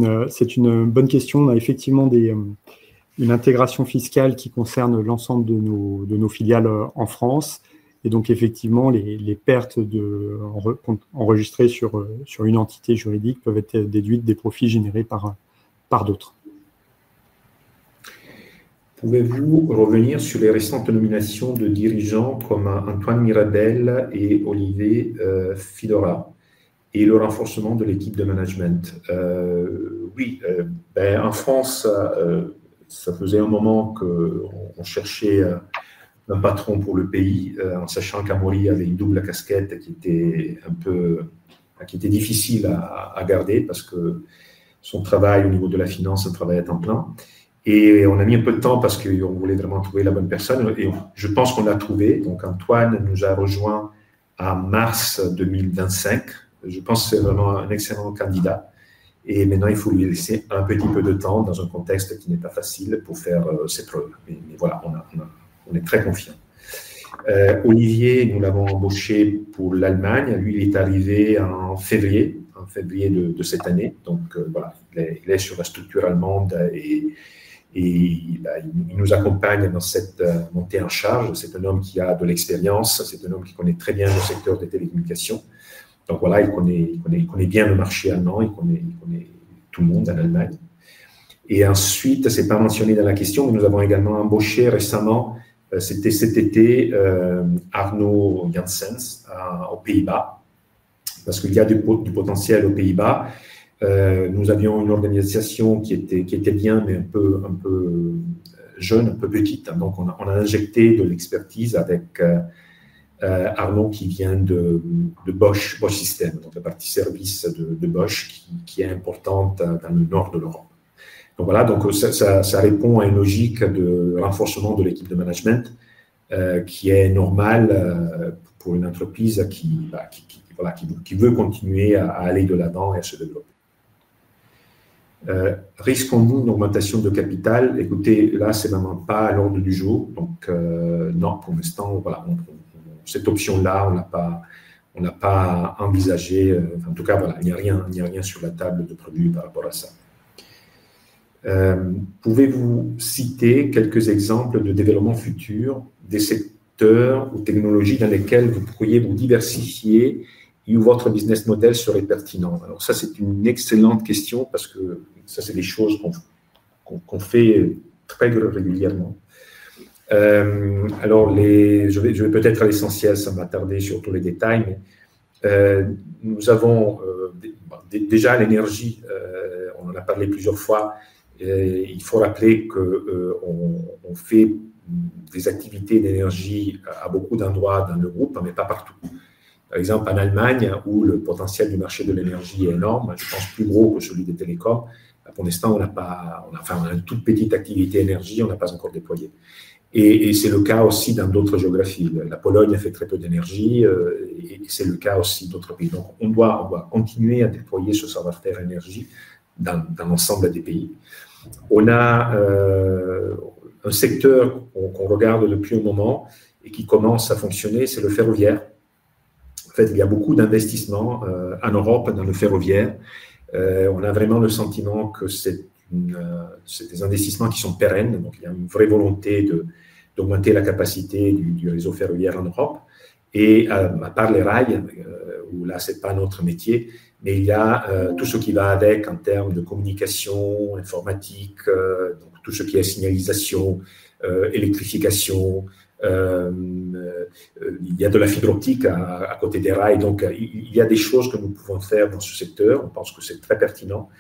Alors, c'est une bonne question. On a effectivement une intégration fiscale qui concerne l'ensemble de nos filiales en France. Et donc, effectivement, les pertes enregistrées sur une entité juridique peuvent être déduites des profits générés par d'autres. Pouvez-vous revenir sur les récentes nominations de dirigeants comme Antoine Mirabel et Olivier Fillora et le renforcement de l'équipe de management? Oui, ben en France, ça faisait un moment qu'on cherchait un patron pour le pays, en sachant qu'Amaury avait une double casquette qui était un peu difficile à garder parce que son travail au niveau de la finance, ça travaillait à temps plein. On a mis un peu de temps parce qu'on voulait vraiment trouver la bonne personne et je pense qu'on l'a trouvée. Donc, Antoine nous a rejoints en mars 2025. Je pense que c'est vraiment un excellent candidat. Maintenant, il faut lui laisser un petit peu de temps dans un contexte qui n'est pas facile pour faire ses preuves. Mais voilà, on est très confiants. Olivier, nous l'avons embauché pour l'Allemagne. Lui, il est arrivé en février de cette année. Donc voilà, il est sur la structure allemande et il nous accompagne dans cette montée en charge. C'est un homme qui a de l'expérience, c'est un homme qui connaît très bien le secteur des télécommunications. Donc voilà, il connaît bien le marché allemand, il connaît tout le monde en Allemagne. Ensuite, ce n'est pas mentionné dans la question, mais nous avons également embauché récemment, c'était cet été, Arnaud Bertens au Pays-Bas. Parce qu'il y a du potentiel aux Pays-Bas. Nous avions une organisation qui était bien, mais un peu jeune, un peu petite. Donc, on a injecté de l'expertise avec Arnaud qui vient de Bosch System, la partie service de Bosch qui est importante dans le nord de l'Europe. Donc voilà, donc ça répond à une logique de renforcement de l'équipe de management qui est normale pour une entreprise qui veut continuer à aller de l'avant et à se développer. Risquons-nous une augmentation de capital? Écoutez, là, ce n'est vraiment pas à l'ordre du jour. Donc non, pour l'instant, voilà, cette option-là, on n'a pas envisagé. En tout cas, voilà, il n'y a rien sur la table de produit par rapport à ça. Pouvez-vous citer quelques exemples de développement futur des secteurs ou technologies dans lesquels vous pourriez vous diversifier et où votre business model serait pertinent? Alors ça, c'est une excellente question parce que ça, c'est des choses qu'on fait très régulièrement. Alors, je vais peut-être à l'essentiel sans m'attarder sur tous les détails, mais nous avons déjà l'énergie, on en a parlé plusieurs fois. Il faut rappeler qu'on fait des activités d'énergie à beaucoup d'endroits dans le groupe, mais pas partout. Par exemple, en Allemagne, où le potentiel du marché de l'énergie est énorme, je pense plus gros que celui des télécoms. Pour l'instant, on n'a pas enfin on a une toute petite activité énergie, on n'a pas encore déployé. C'est le cas aussi dans d'autres géographies. La Pologne a fait très peu d'énergie et c'est le cas aussi d'autres pays. Donc on doit continuer à déployer ce savoir-faire énergie dans l'ensemble des pays. On a un secteur qu'on regarde depuis un moment et qui commence à fonctionner, c'est le ferroviaire. En fait, il y a beaucoup d'investissements en Europe dans le ferroviaire. On a vraiment le sentiment que ce sont des investissements qui sont pérennes. Donc il y a une vraie volonté d'augmenter la capacité du réseau ferroviaire en Europe. À part les rails, où là ce n'est pas notre métier, mais il y a tout ce qui va avec en termes de communication, informatique, tout ce qui est signalisation, électrification. Il y a de la fibre optique à côté des rails. Donc il y a des choses que nous pouvons faire dans ce secteur. Je pense que c'est très pertinent.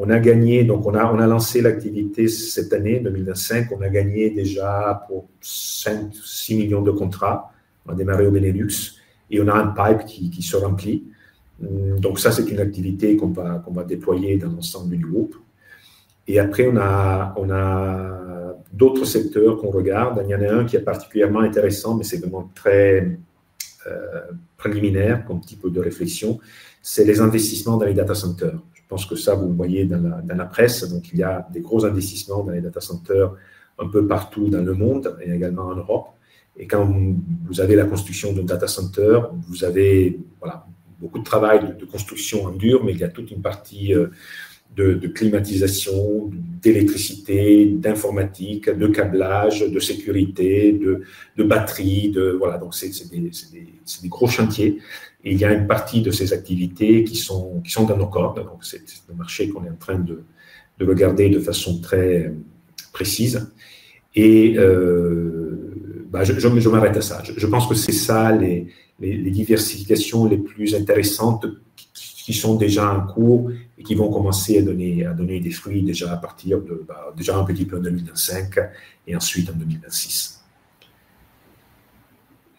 On a gagné, donc on a lancé l'activité cette année 2025. On a gagné déjà pour €5 ou 6 millions de contrats. On a démarré au Benelux et on a un pipe qui se remplit. Donc ça, c'est une activité qu'on va déployer dans l'ensemble du groupe. Après, on a d'autres secteurs qu'on regarde. Il y en a un qui est particulièrement intéressant, mais c'est vraiment très préliminaire comme type de réflexion. C'est les investissements dans les data centers. Je pense que ça, vous le voyez dans la presse. Donc il y a des gros investissements dans les data centers un peu partout dans le monde et également en Europe. Quand vous avez la construction d'un data center, vous avez voilà beaucoup de travail de construction en dur, mais il y a toute une partie de climatisation, d'électricité, d'informatique, de câblage, de sécurité, de batterie. Donc ce sont des gros chantiers. Il y a une partie de ces activités qui sont dans nos cordes. Donc c'est le marché qu'on est en train de regarder de façon très précise. Je m'arrête à ça. Je pense que ce sont les diversifications les plus intéressantes qui sont déjà en cours et qui vont commencer à donner des fruits déjà à partir de déjà un petit peu en 2025 et ensuite en 2026.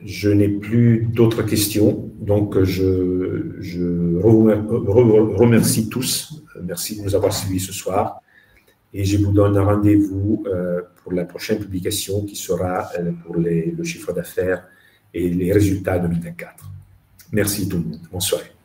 Je n'ai plus d'autres questions. Donc je remercie tous. Merci de nous avoir suivis ce soir. Je vous donne rendez-vous pour la prochaine publication qui sera pour le chiffre d'affaires et les résultats 2024. Merci tout le monde. Bonne soirée.